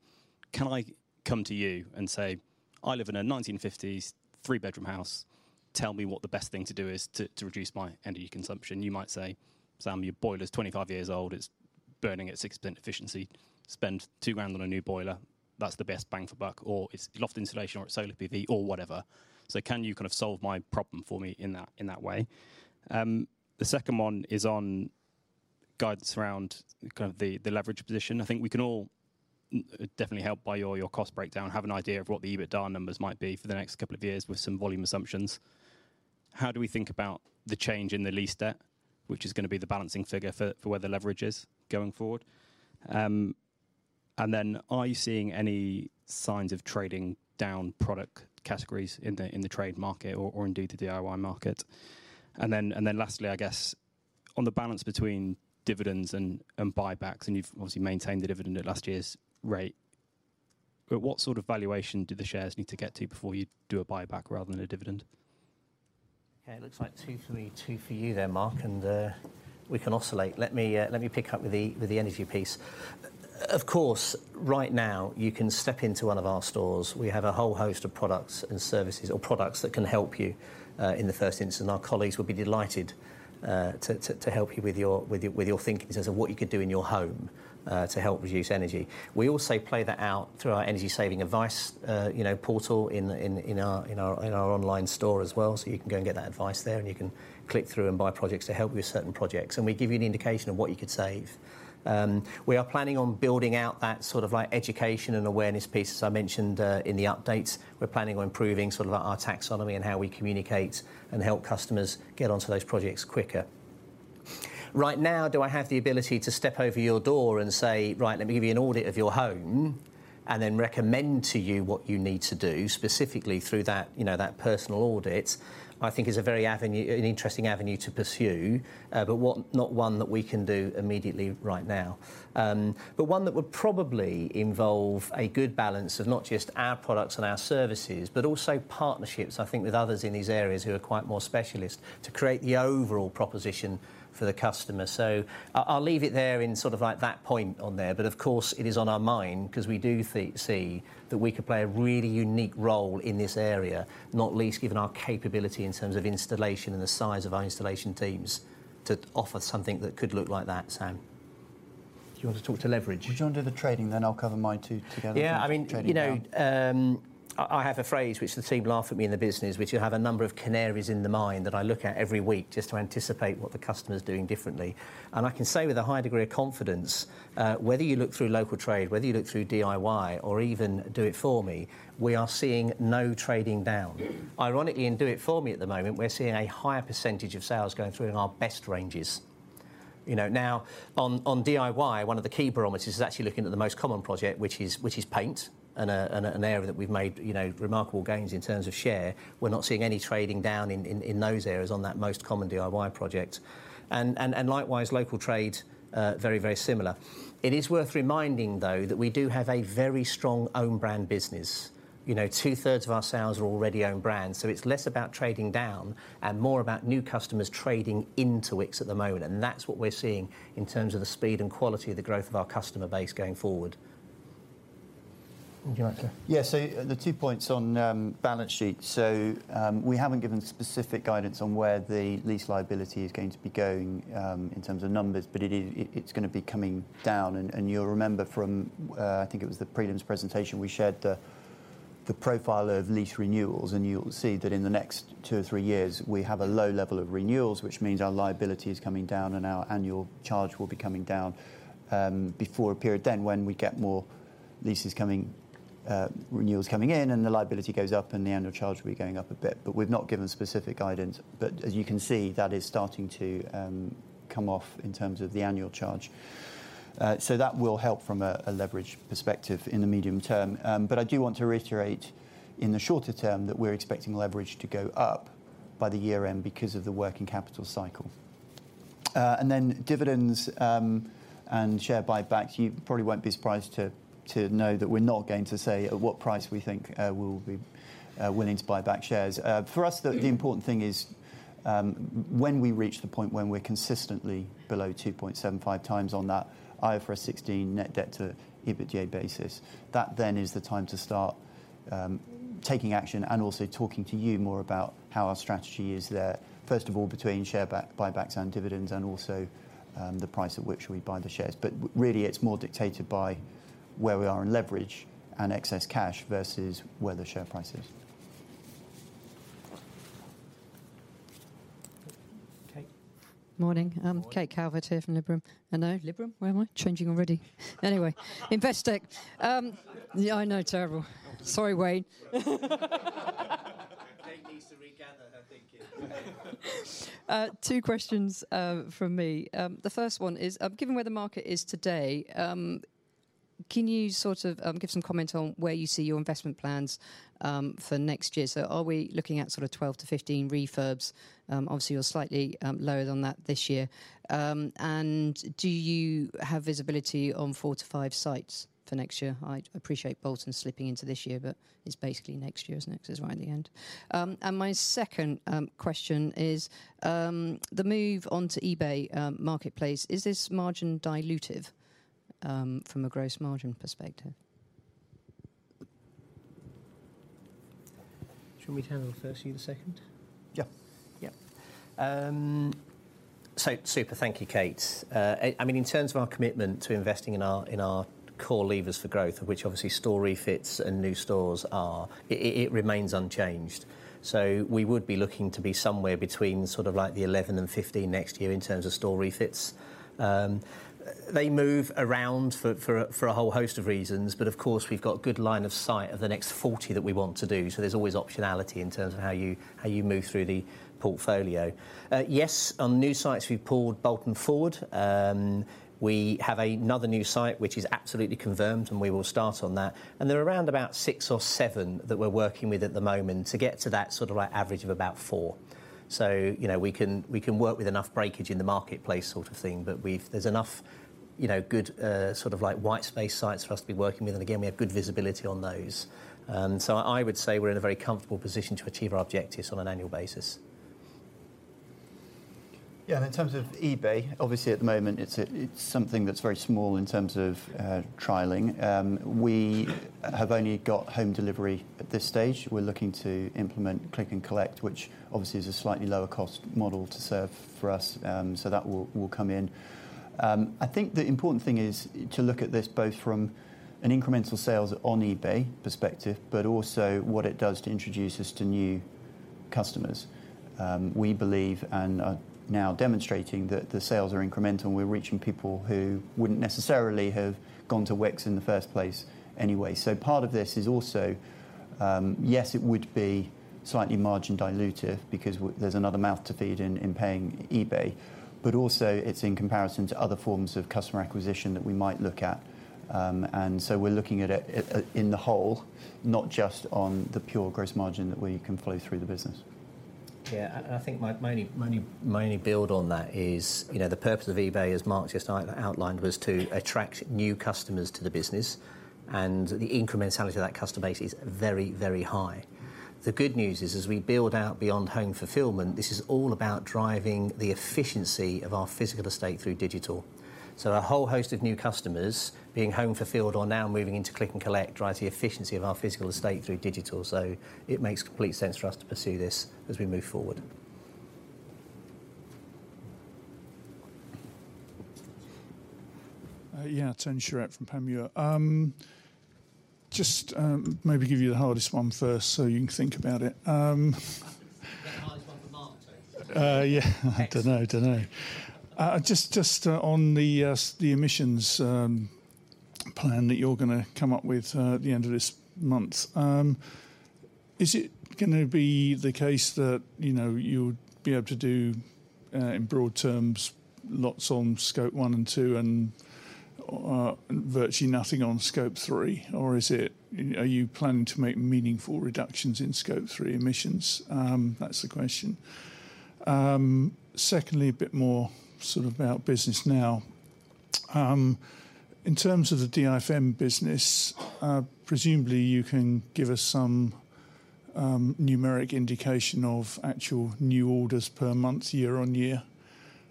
can I come to you and say, "I live in a 1950s three-bedroom house. Tell me what the best thing to do is to reduce my energy consumption"? You might say, "Sam, your boiler's 25 years old. It's burning at 6% efficiency. Spend 2,000 on a new boiler. That's the best bang for buck," or it's loft insulation or it's solar PV or whatever. Can you kind of solve my problem for me in that way? The second one is Guidance around the leverage position. I think we can all definitely help by your cost breakdown, have an idea of what the EBITDA numbers might be for the next couple of years with some volume assumptions. How do we think about the change in the lease debt, which is gonna be the balancing figure for where the leverage is going forward? Are you seeing any signs of trading down product categories in the trade market or indeed the DIY market? Lastly, I guess on the balance between dividends and buybacks, you've obviously maintained the dividend at last year's rate. What sort of valuation do the shares need to get to before you do a buyback rather than a dividend? Okay, it looks like two for me, two for you there, Mark. We can oscillate. Let me pick up with the energy piece. Of course, right now you can step into one of our stores. We have a whole host of products and services or products that can help you in the first instance. Our colleagues would be delighted to help you with your thinking in terms of what you could do in your home to help reduce energy. We also play that out through our energy saving advice, you know, portal in our online store as well. You can go and get that advice there, and you can click through and buy products to help with certain projects, and we give you an indication of what you could save. We are planning on building out that sort of, like, education and awareness piece. As I mentioned, in the updates, we're planning on improving sort of our taxonomy and how we communicate and help customers get onto those projects quicker. Do I have the ability to step over your door and say, "Right, let me give you an audit of your home," and then recommend to you what you need to do specifically through that, you know, that personal audit, I think is an interesting avenue to pursue, not one that we can do immediately right now. One that would probably involve a good balance of not just our products and our services, but also partnerships, I think with others in these areas who are quite more specialist to create the overall proposition for the customer. I'll leave it there in sort of like that point on there. Of course, it is on our mind 'cause we do see that we could play a really unique role in this area, not least given our capability in terms of installation and the size of our installation teams to offer something that could look like that, Sam. Do you want to talk to leverage? Would you wanna do the trading then I'll cover my 2 together? Yeah. I mean. trading down.... you know, I have a phrase which the team laugh at me in the business, which you have a number of canaries in the mine that I look at every week just to anticipate what the customer's doing differently. I can say with a high degree of confidence, whether you look through local trade, whether you look through DIY or even Do It For Me, we are seeing no trading down. Ironically, in Do It For Me at the moment, we're seeing a higher percentage of sales going through in our best ranges. You know, now on DIY, one of the key barometers is actually looking at the most common project, which is paint and an area that we've made, you know, remarkable gains in terms of share. We're not seeing any trading down in those areas on that most common DIY project and likewise, local trade, very, very similar. It is worth reminding though, that we do have a very strong own brand business. You know, two thirds of our sales are already own brand, so it's less about trading down and more about new customers trading into Wickes at the moment, and that's what we're seeing in terms of the speed and quality of the growth of our customer base going forward. Would you like to? Yeah. The two points on balance sheet. We haven't given specific guidance on where the lease liability is going to be going in terms of numbers, but it's gonna be coming down. You'll remember from I think it was the prelims presentation, we shared the profile of lease renewals, and you'll see that in the next two or three years we have a low level of renewals, which means our liability is coming down and our annual charge will be coming down before a period then when we get more leases coming renewals coming in and the liability goes up and the annual charge will be going up a bit. We've not given specific guidance. As you can see, that is starting to come off in terms of the annual charge. That will help from a leverage perspective in the medium term. I do want to reiterate in the shorter term that we're expecting leverage to go up by the year end because of the working capital cycle. Then dividends and share buybacks. You probably won't be surprised to know that we're not going to say at what price we think we'll be willing to buy back shares. For us, the important thing is, when we reach the point when we're consistently below 2.75 times on that IFRS 16 net debt to EBITDA basis, that then is the time to start, taking action and also talking to you more about how our strategy is there, first of all, between buybacks and dividends and also, the price at which we buy the shares. Really it's more dictated by where we are in leverage and excess cash versus where the share price is. Kate? Morning. Morning. Kate Calvert here from Liberum. I know, Liberum? Where am I? Changing already. Anyway, Investec. Yeah, I know. Terrible. Sorry, Wayne. Kate needs to regather her thinking. Two questions from me. The first one is, given where the market is today, can you sort of give some comment on where you see your investment plans for next year? Are we looking at sort of 12-15 refurbs? Obviously you're slightly lower than that this year. Do you have visibility on four to five sites for next year? I appreciate Bolton slipping into this year, but it's basically next year, isn't it? 'Cause it's right at the end. My second question is, the move onto eBay marketplace, is this margin dilutive from a gross margin perspective? Should we handle the first, you the second? Yeah. Yeah. Super thank you, Kate. I mean, in terms of our commitment to investing in our, in our core levers for growth, of which obviously store refits and new stores are, it remains unchanged. We would be looking to be somewhere between sort of like the 11 and 15 next year in terms of store refits. They move around for a whole host of reasons, but of course, we've got good line of sight of the next 40 that we want to do. There's always optionality in terms of how you, how you move through the portfolio. Yes, on new sites, we pulled Bolton forward. We have another new site which is absolutely confirmed, and we will start on that. There are around about six or seven that we're working with at the moment to get to that sort of, like, average of about four. You know, we can work with enough breakage in the marketplace sort of thing. There's enough, you know, good, sort of like white space sites for us to be working with. Again, we have good visibility on those. I would say we're in a very comfortable position to achieve our objectives on an annual basis. In terms of eBay, obviously at the moment, it's something that's very small in terms of trialing. We have only got Home Delivery at this stage. We're looking to implement Click and Collect, which obviously is a slightly lower cost model to serve for us. That will come in. I think the important thing is to look at this both from an incremental sales on eBay perspective, but also what it does to introduce us to new customers. We believe and are now demonstrating that the sales are incremental, and we're reaching people who wouldn't necessarily have gone to Wickes in the first place anyway. Part of this is also, yes, it would be slightly margin dilutive because there's another mouth to feed in paying eBay. Also, it's in comparison to other forms of customer acquisition that we might look at. We're looking at it in the whole, not just on the pure gross margin that we can flow through the business. Yeah. I think my only build on that is, you know, the purpose of eBay, as Mark just outlined, was to attract new customers to the business. The incrementality of that customer base is very high. The good news is, as we build out beyond home fulfillment, this is all about driving the efficiency of our physical estate through digital. A whole host of new customers being home fulfilled are now moving into Click and Collect, drives the efficiency of our physical estate through digital. It makes complete sense for us to pursue this as we move forward. Yeah, Tony Shiret from Panmure. Just maybe give you the hardest one first so you can think about it. The hardest one for Mark, Tony? Yeah. Don't know, don't know. Just, just on the emissions plan that you're gonna come up with at the end of this month. Is it gonna be the case that, you know, you'd be able to do in broad terms, lots on Scope 1 and 2 and virtually nothing on Scope 3? Are you planning to make meaningful reductions in Scope 3 emissions? That's the question. Secondly, a bit more sort of about business now. In terms of the DIFM business, presumably you can give us some numeric indication of actual new orders per month, year-on-year.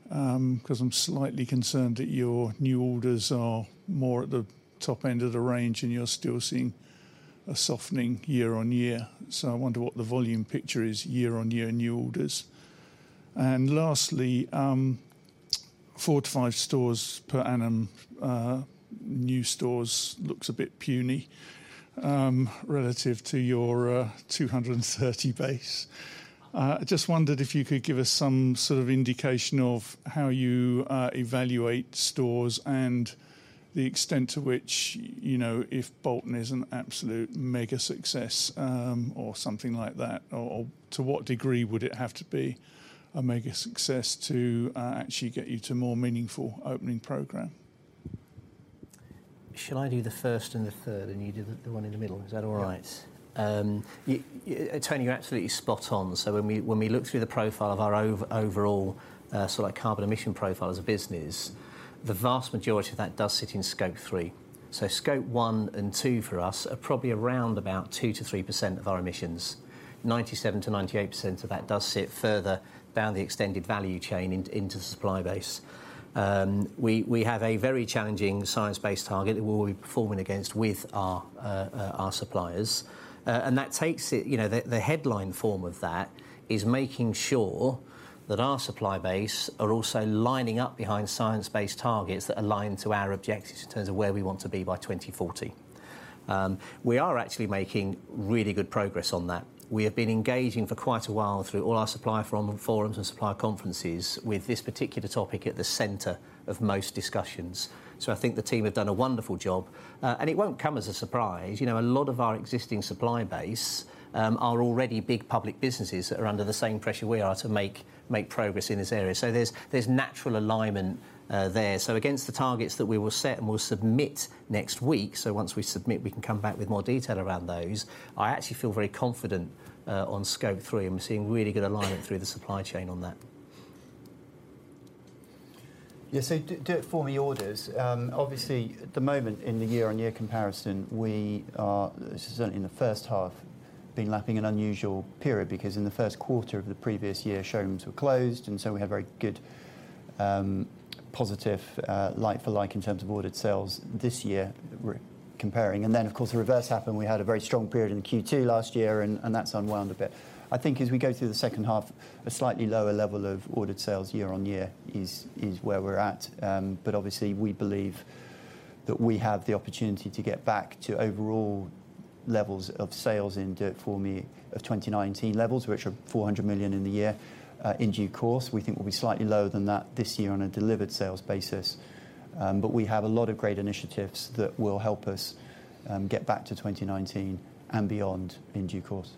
'Cause I'm slightly concerned that your new orders are more at the top end of the range, and you're still seeing a softening year-on-year. I wonder what the volume picture is year on year in new orders. Lastly, four to five stores per annum, new stores looks a bit puny, relative to your 230 base. Just wondered if you could give us some sort of indication of how you evaluate stores and the extent to which, you know, if Bolton is an absolute mega success, or something like that, or to what degree would it have to be a mega success to actually get you to more meaningful opening program? Shall I do the first and the third, and you do the one in the middle? Is that all right? Yeah. Tony, you're absolutely spot on. When we look through the profile of our overall, sort of like carbon emission profile as a business, the vast majority of that does sit in Scope 3. Scope 1 and 2 for us are probably around about 2%-3% of our emissions. 97%-98% of that does sit further down the extended value chain into the supply base. We have a very challenging science-based target that we'll be performing against with our suppliers. That takes it, you know, the headline form of that is making sure that our supply base are also lining up behind science-based targets that align to our objectives in terms of where we want to be by 2040. We are actually making really good progress on that. We have been engaging for quite a while through all our supply forum, forums and supply conferences with this particular topic at the center of most discussions. I think the team have done a wonderful job. It won't come as a surprise. You know, a lot of our existing supply base are already big public businesses that are under the same pressure we are to make progress in this area. There's natural alignment there. Against the targets that we will set and we'll submit next week, so once we submit, we can come back with more detail around those. I actually feel very confident on Scope 3, and we're seeing really good alignment through the supply chain on that. Yeah, so Do It For Me orders. Obviously at the moment in the year-on-year comparison, we are, this is only in the first half, been lapping an unusual period because in the first quarter of the previous year, showrooms were closed, so we have very good positive like-for-like in terms of ordered sales this year we're comparing. Of course the reverse happened. We had a very strong period in Q2 last year, and that's unwound a bit. I think as we go through the second half, a slightly lower level of ordered sales year-on-year is where we're at. Obviously we believe That we have the opportunity to get back to overall levels of sales for me, of 2019 levels, which are 400 million in the year, in due course. We think we'll be slightly lower than that this year on a delivered sales basis. We have a lot of great initiatives that will help us get back to 2019 and beyond in due course.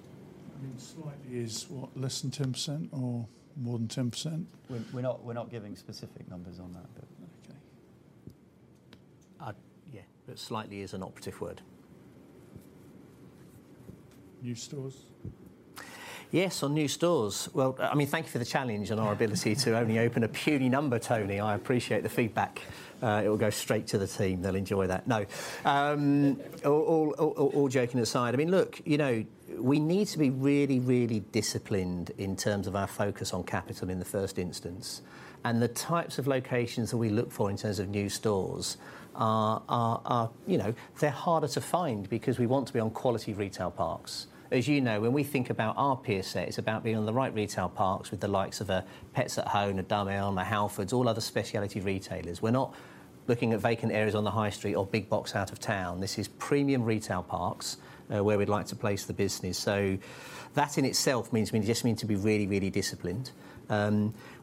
I mean, slightly is what? Less than 10% or more than 10%? We're not giving specific numbers on that. Okay. Yeah, slightly is an operative word. New stores? Yes, on new stores. Well, I mean, thank you for the challenge and our ability to only open a puny number, Tony. I appreciate the feedback. It will go straight to the team. They'll enjoy that. No. All joking aside, I mean, look, you know, we need to be really, really disciplined in terms of our focus on capital in the first instance and the types of locations that we look for in terms of new stores are, you know, they're harder to find because we want to be on quality retail parks. As you know, when we think about our peer set, it's about being on the right retail parks with the likes of a Pets at Home, a Dunelm, a Halfords, all other speciality retailers. We're not looking at vacant areas on the high street or big box out of town. This is premium retail parks, where we'd like to place the business. That in itself means we just need to be really, really disciplined.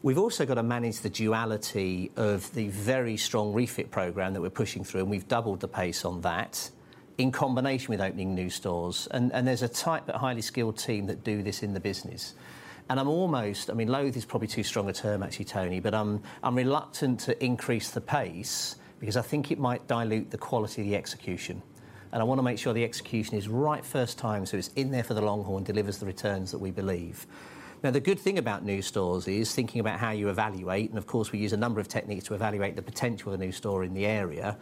We've also got to manage the duality of the very strong refit program that we're pushing through, and we've doubled the pace on that in combination with opening new stores. There's a tight but highly skilled team that do this in the business. I'm almost, I mean, loathe is probably too strong a term actually, Tony, but I'm reluctant to increase the pace because I think it might dilute the quality of the execution. I want to make sure the execution is right first time, so it's in there for the long haul and delivers the returns that we believe. The good thing about new stores is thinking about how you evaluate, and of course, we use a number of techniques to evaluate the potential of a new store in the area.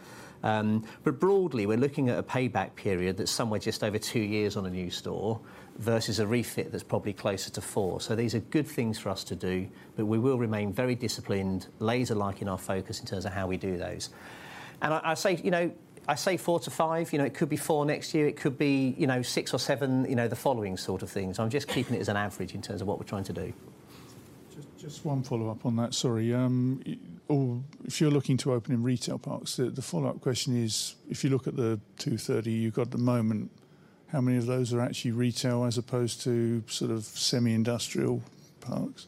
Broadly, we're looking at a payback period that's somewhere just over two years on a new store versus a refit that's probably closer to four. These are good things for us to do, but we will remain very disciplined, laser-like in our focus in terms of how we do those. I say, you know, I say four to five, you know, it could be four next year, it could be, you know, six or seven, you know, the following sort of things. I'm just keeping it as an average in terms of what we're trying to do. Just one follow-up on that. Sorry. If you're looking to open in retail parks, the follow-up question is, if you look at the 230 you've got at the moment, how many of those are actually retail as opposed to sort of semi-industrial parks?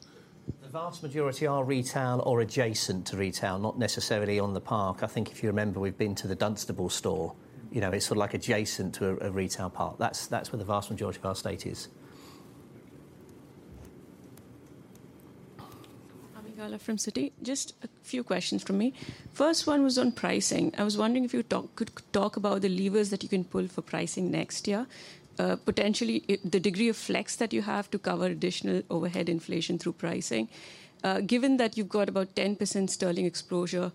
The vast majority are retail or adjacent to retail, not necessarily on the park. I think if you remember, we've been to the Dunstable store. You know, it's sort of like adjacent to a retail park. That's where the vast majority of our estate is. Ami Galla from Citi. Just a few questions from me. First one was on pricing. I was wondering if you could talk about the levers that you can pull for pricing next year, potentially the degree of flex that you have to cover additional overhead inflation through pricing. Given that you've got about 10% sterling exposure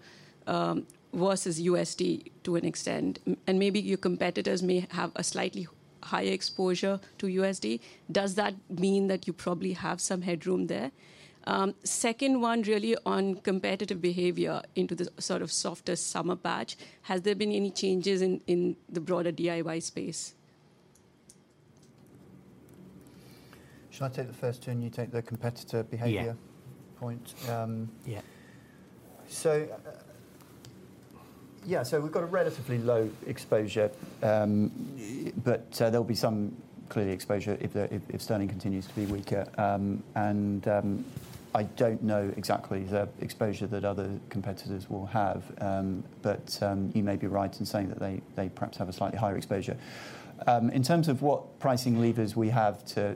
versus USD to an extent, and maybe your competitors may have a slightly higher exposure to USD, does that mean that you probably have some headroom there? Second one really on competitive behavior into the sort of softer summer batch. Has there been any changes in the broader DIY space? Shall I take the first two, and you take the competitor behavior? Yeah point? Yeah. Yeah. We've got a relatively low exposure, but there'll be some clearly exposure if sterling continues to be weaker. I don't know exactly the exposure that other competitors will have, but you may be right in saying that they perhaps have a slightly higher exposure. In terms of what pricing levers we have to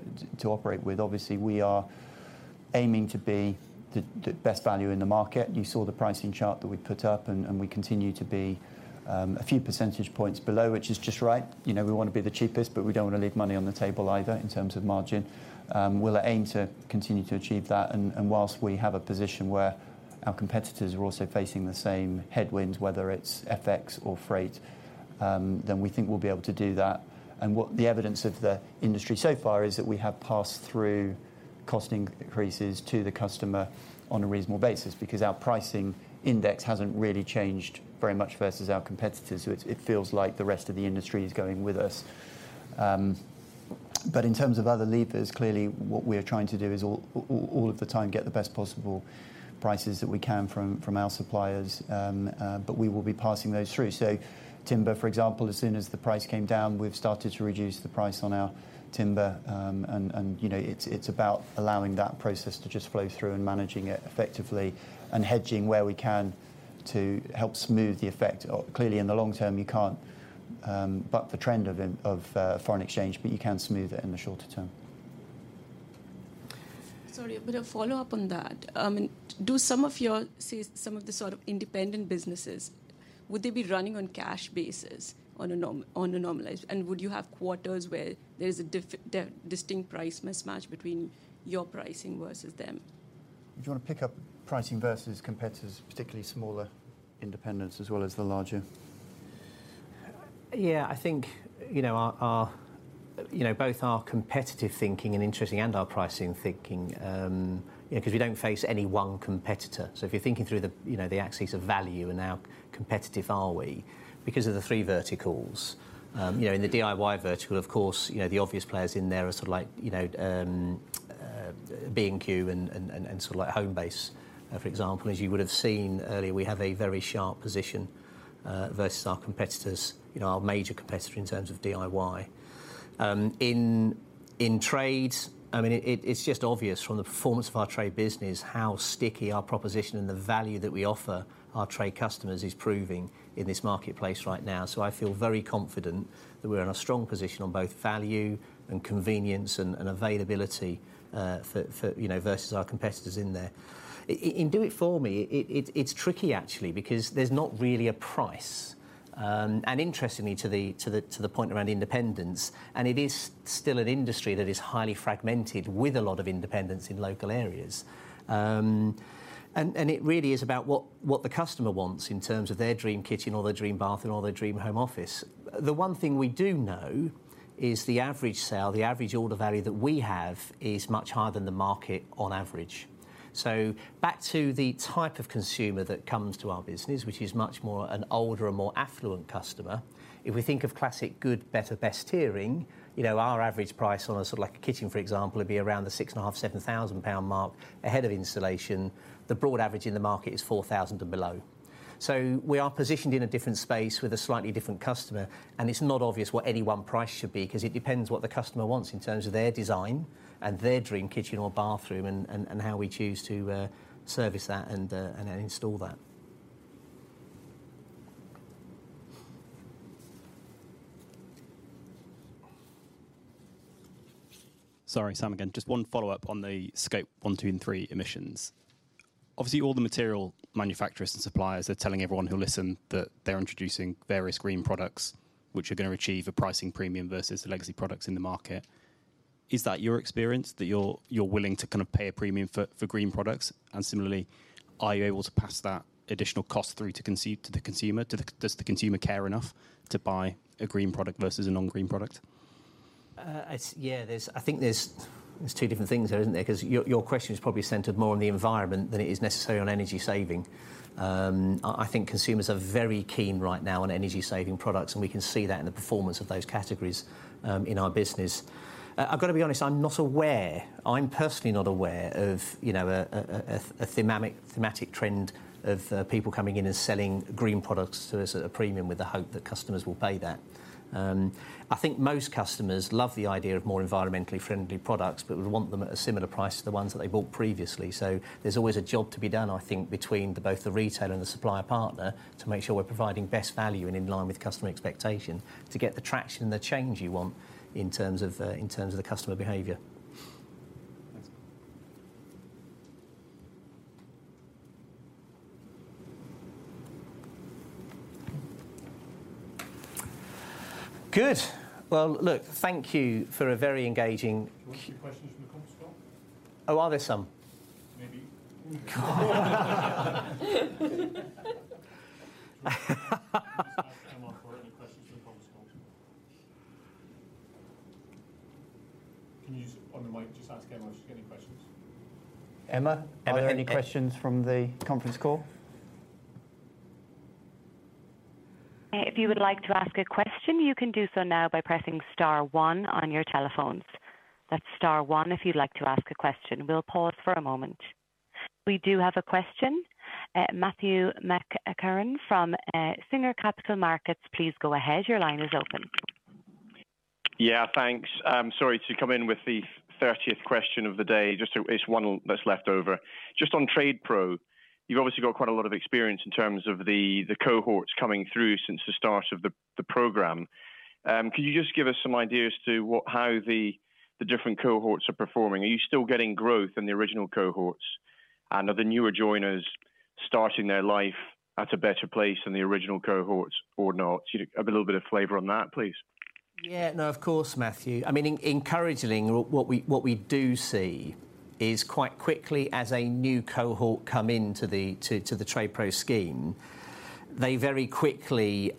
operate with, obviously, we are aiming to be the best value in the market. You saw the pricing chart that we put up and we continue to be a few percentage points below, which is just right. You know, we want to be the cheapest, but we don't want to leave money on the table either in terms of margin. We'll aim to continue to achieve that. Whilst we have a position where our competitors are also facing the same headwinds, whether it's FX or freight, then we think we'll be able to do that. What the evidence of the industry so far is that we have passed through costing increases to the customer on a reasonable basis because our pricing index hasn't really changed very much versus our competitors. It feels like the rest of the industry is going with us. In terms of other levers, clearly what we are trying to do is all of the time get the best possible prices that we can from our suppliers. We will be passing those through. Timber, for example, as soon as the price came down, we've started to reduce the price on our timber. You know, it's about allowing that process to just flow through and managing it effectively and hedging where we can to help smooth the effect. Clearly, in the long term, you can't buck the trend of foreign exchange, but you can smooth it in the shorter term. Sorry, a bit of follow-up on that. I mean, do some of your, say, some of the sort of independent businesses, would they be running on cash basis on a normalized? Would you have quarters where there's a distinct price mismatch between your pricing versus them? Do you want to pick up pricing versus competitors, particularly smaller independents as well as the larger? Yeah, I think, you know, our both our competitive thinking and interesting and our pricing thinking, you know, 'cause we don't face any one competitor. If you're thinking through the, you know, the axis of value and how competitive are we because of the three verticals. In the DIY vertical, of course, you know, the obvious players in there are sort of like, you know, B&Q and Homebase, for example, as you would have seen earlier, we have a very sharp position versus our competitors, you know, our major competitor in terms of DIY. In trades, I mean, it's just obvious from the performance of our trade business how sticky our proposition and the value that we offer our trade customers is proving in this marketplace right now. I feel very confident that we're in a strong position on both value and convenience and availability, for, you know, versus our competitors in there. In Do It For Me, it's tricky actually, because there's not really a price. Interestingly, to the point around independence, it is still an industry that is highly fragmented with a lot of independence in local areas. It really is about what the customer wants in terms of their dream kitchen or their dream bathroom or their dream home office. The one thing we do know is the average sale, the average order value that we have is much higher than the market on average. Back to the type of consumer that comes to our business, which is much more an older and more affluent customer, if we think of classic good, better, best steering, you know, our average price on a sort of like a kitchen, for example, would be around the 6,500-7,000 pound mark ahead of installation. The broad average in the market is 4,000 and below. We are positioned in a different space with a slightly different customer, and it's not obvious what any one price should be because it depends what the customer wants in terms of their design and their dream kitchen or bathroom and how we choose to service that and then install that. Sorry, Sam again. Just one follow-up on the Scope 1, 2, and 3 emissions. Obviously, all the material manufacturers and suppliers are telling everyone who'll listen that they're introducing various green products which are gonna achieve a pricing premium versus the legacy products in the market. Is that your experience that you're willing to kind of pay a premium for green products? Similarly, are you able to pass that additional cost through to the consumer? Does the consumer care enough to buy a green product versus a non-green product? Yeah, there's two different things there, isn't there? Your question is probably centered more on the environment than it is necessarily on energy saving. I think consumers are very keen right now on energy saving products, and we can see that in the performance of those categories in our business. I've gotta be honest, I'm not aware, I'm personally not aware of, you know, a thematic trend of people coming in and selling green products to us at a premium with the hope that customers will pay that. I think most customers love the idea of more environmentally friendly products but would want them at a similar price to the ones that they bought previously. There's always a job to be done, I think, between both the retailer and the supplier partner to make sure we're providing best value and in line with customer expectation to get the traction and the change you want in terms of, in terms of the customer behavior. Thanks. Good. Well, look, thank you for a very engaging. Do you want some questions from the conference call? Oh, are there some? Maybe. God. Just ask Emma for any questions from the conference call. Can you just on the mic just ask Emma if she's getting questions? Emma, are there any questions from the conference call? If you would like to ask a question, you can do so now by pressing star one on your telephones. That's star one if you'd like to ask a question. We'll pause for a moment. We do have a question. Matthew McEachran from Singer Capital Markets, please go ahead. Your line is open. Yeah, thanks. Sorry to come in with the 30th question of the day. Just it's one that's left over. Just on TradePro, you've obviously got quite a lot of experience in terms of the cohorts coming through since the start of the program. Could you just give us some idea as to how the different cohorts are performing? Are you still getting growth in the original cohorts? Are the newer joiners starting their life at a better place than the original cohorts or not? A little bit of flavor on that, please. Yeah. No, of course, Matthew. I mean, encouraging what we do see is quite quickly as a new cohort come into the TradePro scheme, they very quickly, you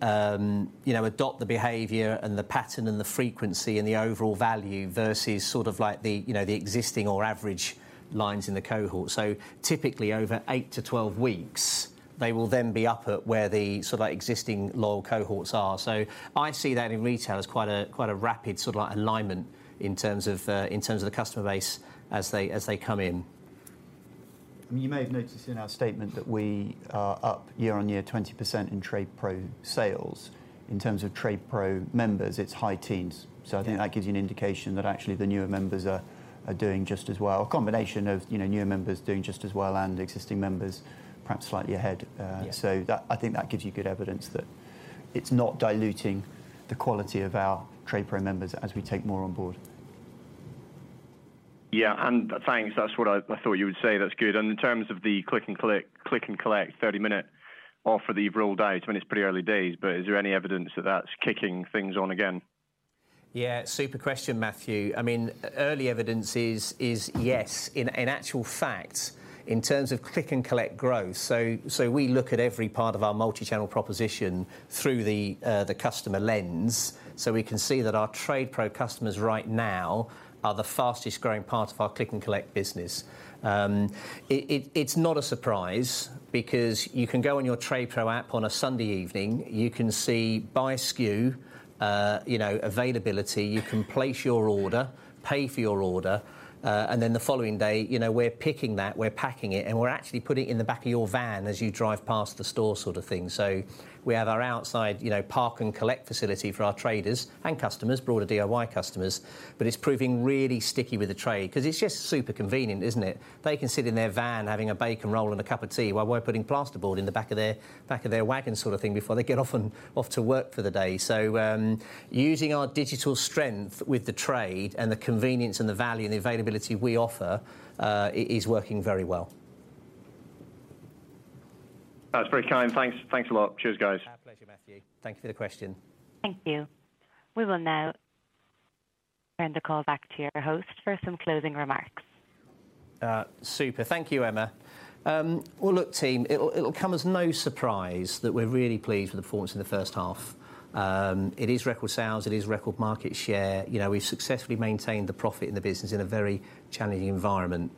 know, adopt the behavior and the pattern and the frequency and the overall value versus sort of like the, you know, the existing or average lines in the cohort. Typically, over 8-12 weeks, they will then be up at where the sort of like existing loyal cohorts are. I see that in retail as quite a, quite a rapid sort of like alignment in terms of, in terms of the customer base as they, as they come in. I mean, you may have noticed in our statement that we are up year-over-year, 20% in TradePro sales. In terms of TradePro members, it's high teens. I think that gives you an indication that actually the newer members are doing just as well. A combination of, you know, newer members doing just as well and existing members perhaps slightly ahead. Yeah. I think that gives you good evidence that it's not diluting the quality of our TradePro members as we take more on board. Yeah. Thanks. That's what I thought you would say. That's good. In terms of the Click and Collect 30 minute offer that you've rolled out, I mean, it's pretty early days, but is there any evidence that that's kicking things on again? Yeah. Super question, Matthew. I mean, early evidence is yes. In actual fact, in terms of Click and Collect growth, we look at every part of our multi-channel proposition through the customer lens. We can see that our TradePro customers right now are the fastest growing part of our Click and Collect business. It's not a surprise because you can go on your TradePro app on a Sunday evening, you can see by SKU, you know availability, you can place your order, pay for your order, then the following day, you know, we're picking that, we're packing it, and we're actually putting it in the back of your van as you drive past the store sort of thing. We have our outside, you know, park and collect facility for our traders and customers, broader DIY customers, but it's proving really sticky with the trade 'cause it's just super convenient, isn't it? They can sit in their van having a bacon roll and a cup of tea while we're putting plasterboard in the back of their wagon sort of thing before they get off and off to work for the day. Using our digital strength with the trade and the convenience and the value and the availability we offer is working very well. That's very kind. Thanks. Thanks a lot. Cheers, guys. Our pleasure, Matthew. Thank you for the question. Thank you. We will now hand the call back to your host for some closing remarks. Super. Thank you, Emma. Well, look, team, it'll come as no surprise that we're really pleased with the performance in the first half. It is record sales. It is record market share. You know, we've successfully maintained the profit in the business in a very challenging environment.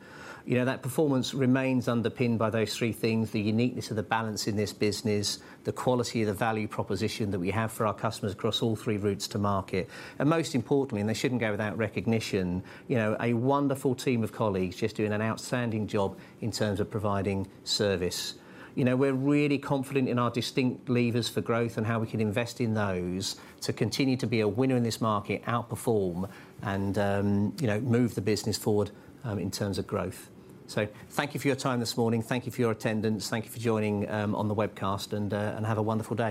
You know, that performance remains underpinned by those three things, the uniqueness of the balance in this business, the quality of the value proposition that we have for our customers across all three routes to market, Most importantly, and they shouldn't go without recognition, you know, a wonderful team of colleagues just doing an outstanding job in terms of providing service. You know, we're really confident in our distinct levers for growth and how we can invest in those to continue to be a winner in this market, outperform, and, you know, move the business forward in terms of growth. Thank you for your time this morning. Thank you for your attendance. Thank you for joining on the webcast and have a wonderful day.